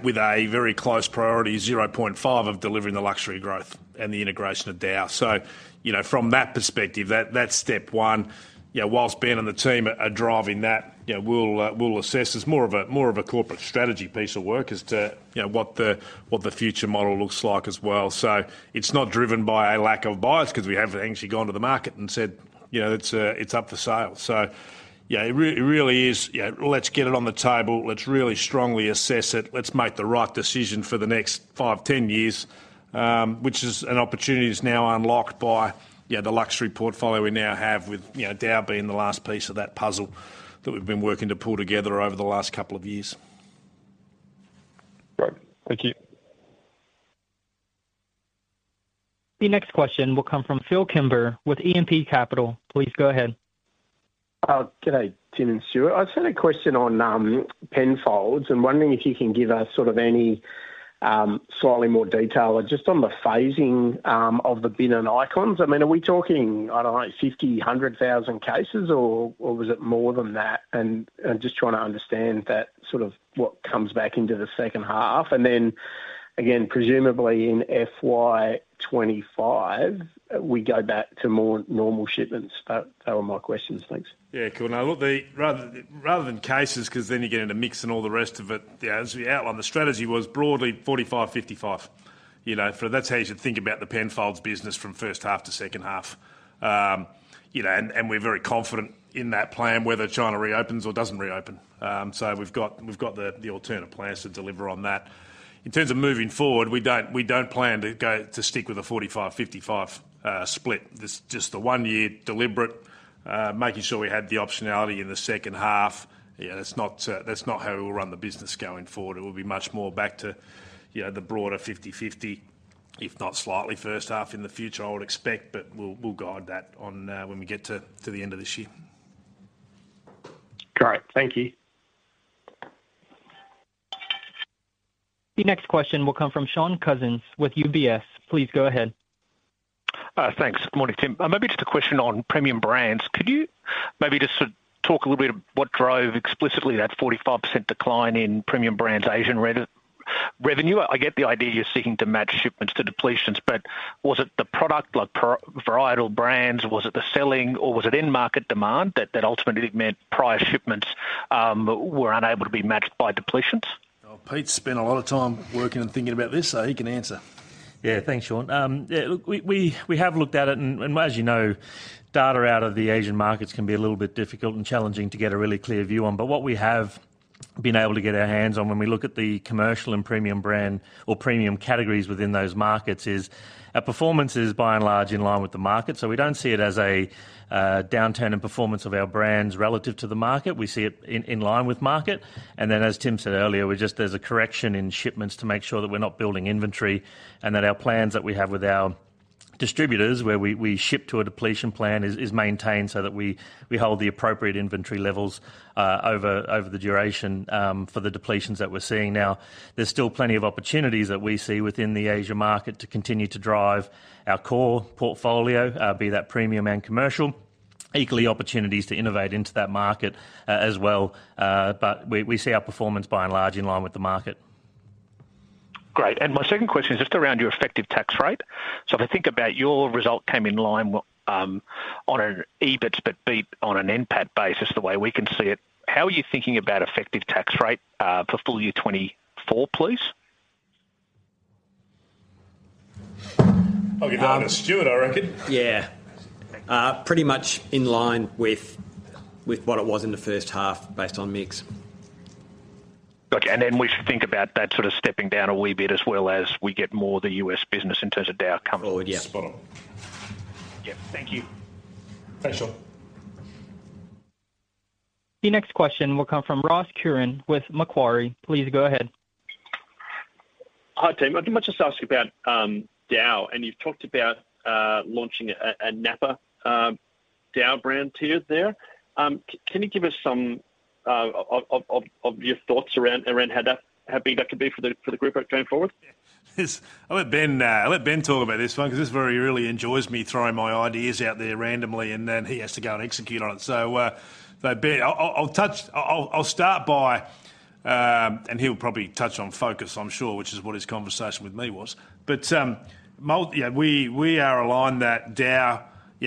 with a very close priority, 0.5, of delivering the luxury growth and the integration of DAOU. So from that perspective, that's step 1. While Ben and the team are driving that, we'll assess. It's more of a corporate strategy piece of work as to what the future model looks like as well. So it's not driven by a lack of buyers because we haven't actually gone to the market and said, "It's up for sale." So yeah, it really is, "Let's get it on the table. Let's really strongly assess it. Let's make the right decision for the next five, 10 years," which is an opportunity that's now unlocked by the luxury portfolio we now have with DAOU being the last piece of that puzzle that we've been working to pull together over the last couple of years. Great. Thank you. The next question will come from Phil Kimber with E&P Capital. Please go ahead. Good day, Tim and Stuart. I sent a question on Penfolds and wondering if you can give us sort of any slightly more detail just on the phasing of the Bin and Icons. I mean, are we talking, I don't know, 50, 100,000 cases, or was it more than that? And just trying to understand sort of what comes back into the second half. And then again, presumably in FY2025, we go back to more normal shipments. Those are my questions. Thanks. Yeah. Cool. Now, rather than cases because then you get into mix and all the rest of it, as we outlined, the strategy was broadly 45-55. That's how you should think about the Penfolds business from first half to second half. And we're very confident in that plan whether China reopens or doesn't reopen. So we've got the alternate plans to deliver on that. In terms of moving forward, we don't plan to stick with a 45-55 split. It's just the one year, deliberate, making sure we had the optionality in the second half. That's not how we will run the business going forward. It will be much more back to the broader 50/50, if not slightly, first half in the future, I would expect, but we'll guide that when we get to the end of this year. Great. Thank you. The next question will come from Shaun Cousins with UBS. Please go ahead. Thanks. Good morning, Tim. Maybe just a question on premium brands. Could you maybe just sort of talk a little bit of what drove explicitly that 45% decline in premium brands' Asian revenue? I get the idea you're seeking to match shipments to depletions, but was it the product like varietal brands? Was it the selling, or was it in-market demand that ultimately meant prior shipments were unable to be matched by depletions? Oh, Pete's spent a lot of time working and thinking about this, so he can answer. Yeah. Thanks, Shaun. Look, we have looked at it. And as you know, data out of the Asian markets can be a little bit difficult and challenging to get a really clear view on. But what we have been able to get our hands on when we look at the commercial and premium brand or premium categories within those markets is our performance is by and large in line with the market. So we don't see it as a downturn in performance of our brands relative to the market. We see it in line with market. And then as Tim said earlier, there's a correction in shipments to make sure that we're not building inventory and that our plans that we have with our distributors where we ship to a depletion plan is maintained so that we hold the appropriate inventory levels over the duration for the depletions that we're seeing. Now, there's still plenty of opportunities that we see within the Asia market to continue to drive our core portfolio, be that premium and commercial, equally opportunities to innovate into that market as well. But we see our performance by and large in line with the market. Great. And my second question is just around your effective tax rate. So if I think about your result came in line on an EBITS but beat on an NPAT basis the way we can see it, how are you thinking about effective tax rate for full year 2024, please? Oh, you're down to Stuart, I reckon. Yeah. Pretty much in line with what it was in the first half based on mix. Okay. And then we should think about that sort of stepping down a wee bit as well as we get more of the U.S. business in terms of DAOU coming forward. Oh, yeah. Spot on. Yeah. Thank you. Thanks, Sean. The next question will come from Ross Curran with Macquarie. Please go ahead. Hi, Tim. I'd much like to ask you about DAOU. And you've talked about launching a Napa DAOU brand tier there. Can you give us some of your thoughts around how big that could be for the group going forward? I'll let Ben talk about this one because this really involves me throwing my ideas out there randomly, and then he has to go and execute on it. So Ben, I'll start by, and he'll probably touch on focus, I'm sure, which is what his conversation with me was. But yeah, we are aligned that DAOU,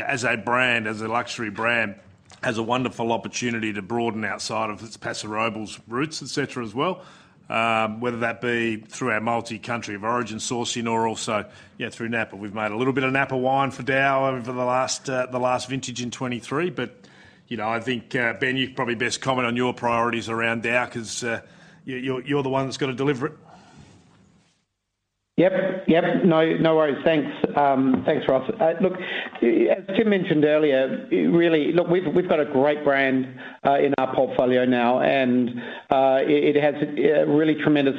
as a brand, as a luxury brand, has a wonderful opportunity to broaden outside of its Paso Robles roots, etc., as well, whether that be through our multi-country of origin sourcing or also through Napa. We've made a little bit of Napa wine for DAOU over the last vintage in 2023. But I think, Ben, you're probably best to comment on your priorities around DAOU because you're the one that's got to deliver it. Yep. Yep. No worries. Thanks. Thanks, Ross. Look, as Tim mentioned earlier, really, look, we've got a great brand in our portfolio now, and it has a really tremendous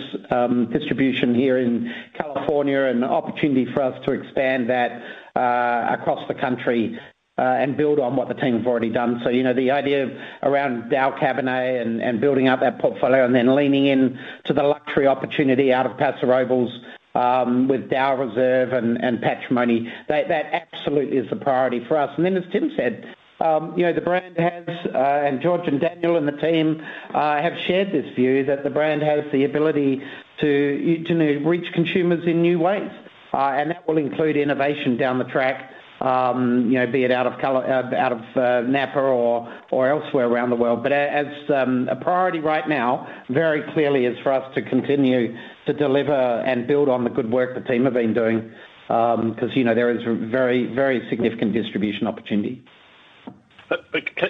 distribution here in California and opportunity for us to expand that across the country and build on what the team have already done. So the idea around DAOU Vineyards and building up that portfolio and then leaning in to the luxury opportunity out of Paso Robles with DAOU Reserve and Patrimony, that absolutely is the priority for us. And then as Tim said, the brand has and George and Daniel and the team have shared this view that the brand has the ability to reach consumers in new ways. And that will include innovation down the track, be it out of Napa or elsewhere around the world. But as a priority right now, very clearly is for us to continue to deliver and build on the good work the team have been doing because there is very, very significant distribution opportunity.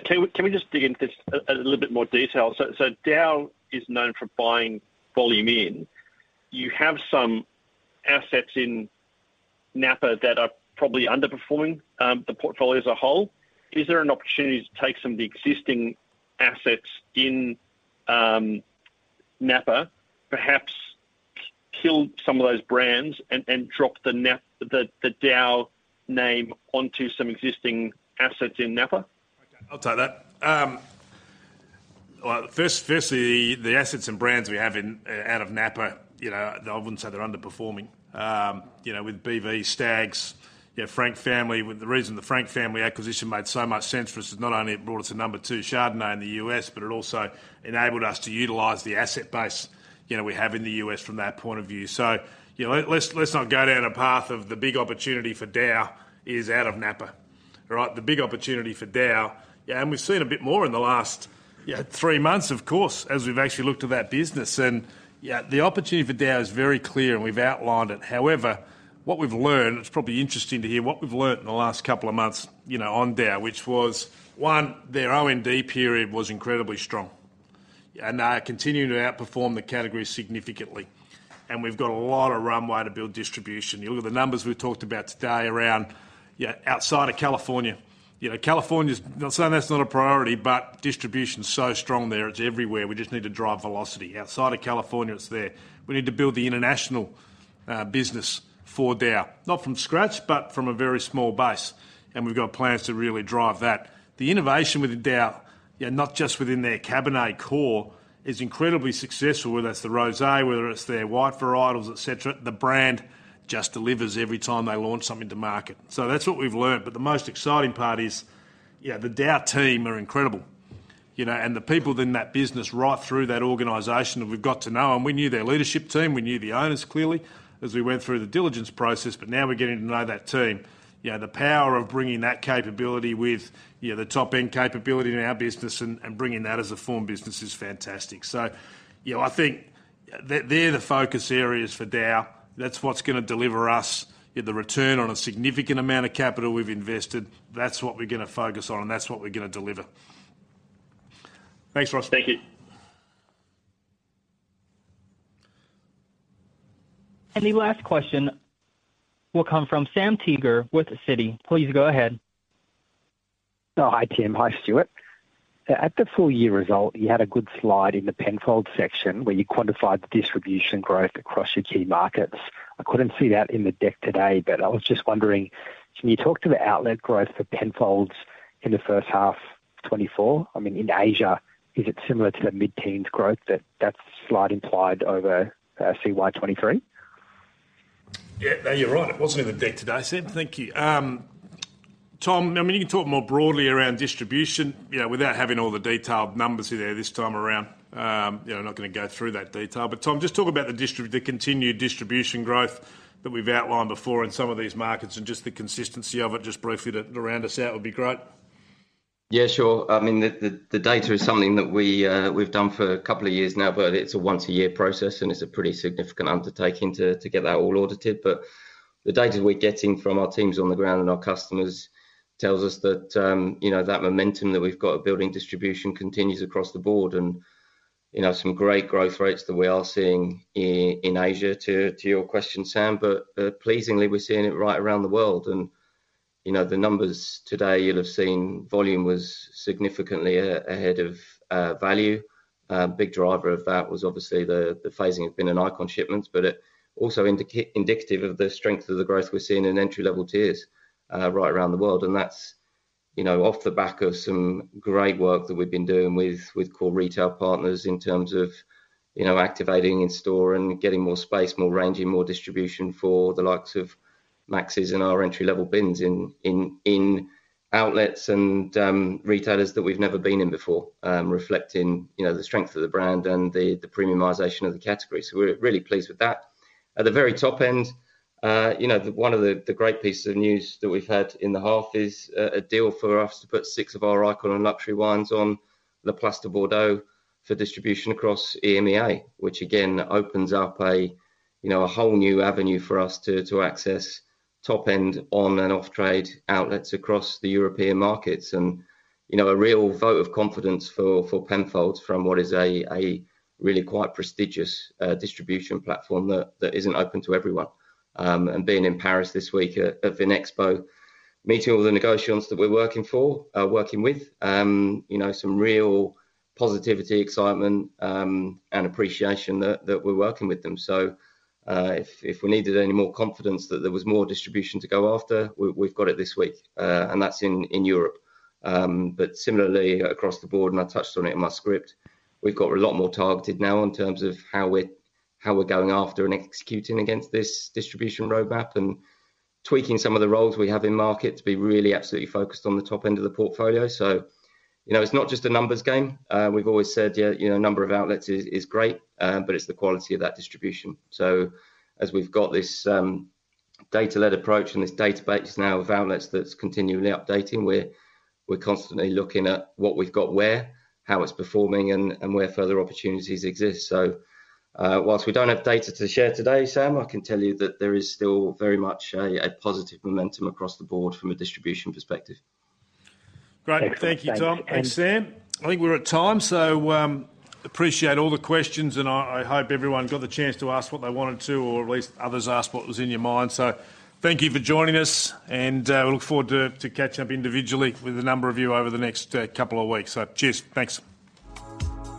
Can we just dig into this a little bit more detail? So DAOU is known for buying volume in. You have some assets in Napa that are probably underperforming the portfolio as a whole. Is there an opportunity to take some of the existing assets in Napa, perhaps kill some of those brands, and drop the DAOU name onto some existing assets in Napa? Okay. I'll take that. Firstly, the assets and brands we have out of Napa, I wouldn't say they're underperforming. With BV Stags', the reason the Frank Family acquisition made so much sense for us is not only it brought us a number two Chardonnay in the U.S., but it also enabled us to utilize the asset base we have in the U.S. from that point of view. So let's not go down a path of the big opportunity for DAOU is out of Napa, all right? The big opportunity for DAOU and we've seen a bit more in the last three months, of course, as we've actually looked at that business. And the opportunity for DAOU is very clear, and we've outlined it. However, what we've learned it's probably interesting to hear what we've learned in the last couple of months on DAOU, which was, one, their O&D period was incredibly strong, and they are continuing to outperform the category significantly. We've got a lot of runway to build distribution. You look at the numbers we've talked about today around outside of California. California's not saying that's not a priority, but distribution's so strong there, it's everywhere. We just need to drive velocity. Outside of California, it's there. We need to build the international business for DAOU, not from scratch, but from a very small base. And we've got plans to really drive that. The innovation with DAOU, not just within their Cabernet core, is incredibly successful, whether it's the Rosé, whether it's their white varietals, etc. The brand just delivers every time they launch something to market. So that's what we've learned. But the most exciting part is the DAOU team are incredible. And the people in that business, right through that organization, we've got to know them. We knew their leadership team. We knew the owners, clearly, as we went through the diligence process. But now we're getting to know that team. The power of bringing that capability with the top-end capability in our business and bringing that as a form business is fantastic. So I think they're the focus areas for DAOU. That's what's going to deliver us the return on a significant amount of capital we've invested. That's what we're going to focus on, and that's what we're going to deliver. Thanks, Ross. Thank you. And the last question will come from Sam Teeger with Citi. Please go ahead. Oh, hi, Tim. Hi, Stuart. At the full year result, you had a good slide in the Penfolds section where you quantified the distribution growth across your key markets. I couldn't see that in the deck today, but I was just wondering, can you talk to the outlet growth for Penfolds in the first half 2024? I mean, in Asia, is it similar to the mid-teens growth that's slightly implied over CY 2023? Yeah. No, you're right. It wasn't in the deck today, Sam. Thank you. Tom, I mean, you can talk more broadly around distribution without having all the detailed numbers in there this time around. I'm not going to go through that detail. But Tom, just talk about the continued distribution growth that we've outlined before in some of these markets and just the consistency of it, just briefly, around us. That would be great. Yeah. Sure. I mean, the data is something that we've done for a couple of years now, but it's a once-a-year process, and it's a pretty significant undertaking to get that all audited. But the data we're getting from our teams on the ground and our customers tells us that that momentum that we've got of building distribution continues across the board and some great growth rates that we are seeing in Asia, to your question, Sam. But pleasingly, we're seeing it right around the world. And the numbers today, you'll have seen volume was significantly ahead of value. A big driver of that was obviously the phasing of Bin and Icon shipments, but also indicative of the strength of the growth we're seeing in entry-level tiers right around the world. That's off the back of some great work that we've been doing with core retail partners in terms of activating in-store and getting more space, more range, and more distribution for the likes of Max's and our entry-level bins in outlets and retailers that we've never been in before, reflecting the strength of the brand and the premiumization of the category. So we're really pleased with that. At the very top end, one of the great pieces of news that we've had in the half is a deal for us to put six of our icon and luxury wines on La Place de Bordeaux for distribution across EMEA, which, again, opens up a whole new avenue for us to access top-end on-and-off-trade outlets across the European markets and a real vote of confidence for Penfolds from what is a really quite prestigious distribution platform that isn't open to everyone. Being in Paris this week at Vinexpo, meeting all the négociants that we're working with, some real positivity, excitement, and appreciation that we're working with them. If we needed any more confidence that there was more distribution to go after, we've got it this week. That's in Europe. Similarly, across the board - and I touched on it in my script - we've got a lot more targeted now in terms of how we're going after and executing against this distribution roadmap and tweaking some of the roles we have in market to be really absolutely focused on the top end of the portfolio. It's not just a numbers game. We've always said, "Yeah, number of outlets is great, but it's the quality of that distribution." So as we've got this data-led approach and this database now of outlets that's continually updating, we're constantly looking at what we've got where, how it's performing, and where further opportunities exist. So while we don't have data to share today, Sam, I can tell you that there is still very much a positive momentum across the board from a distribution perspective. Great. Thank you, Tom. Thanks, Sam. I think we're at time. So appreciate all the questions. And I hope everyone got the chance to ask what they wanted to or at least others asked what was in your mind. So thank you for joining us. And we look forward to catching up individually with a number of you over the next couple of weeks. So cheers. Thanks.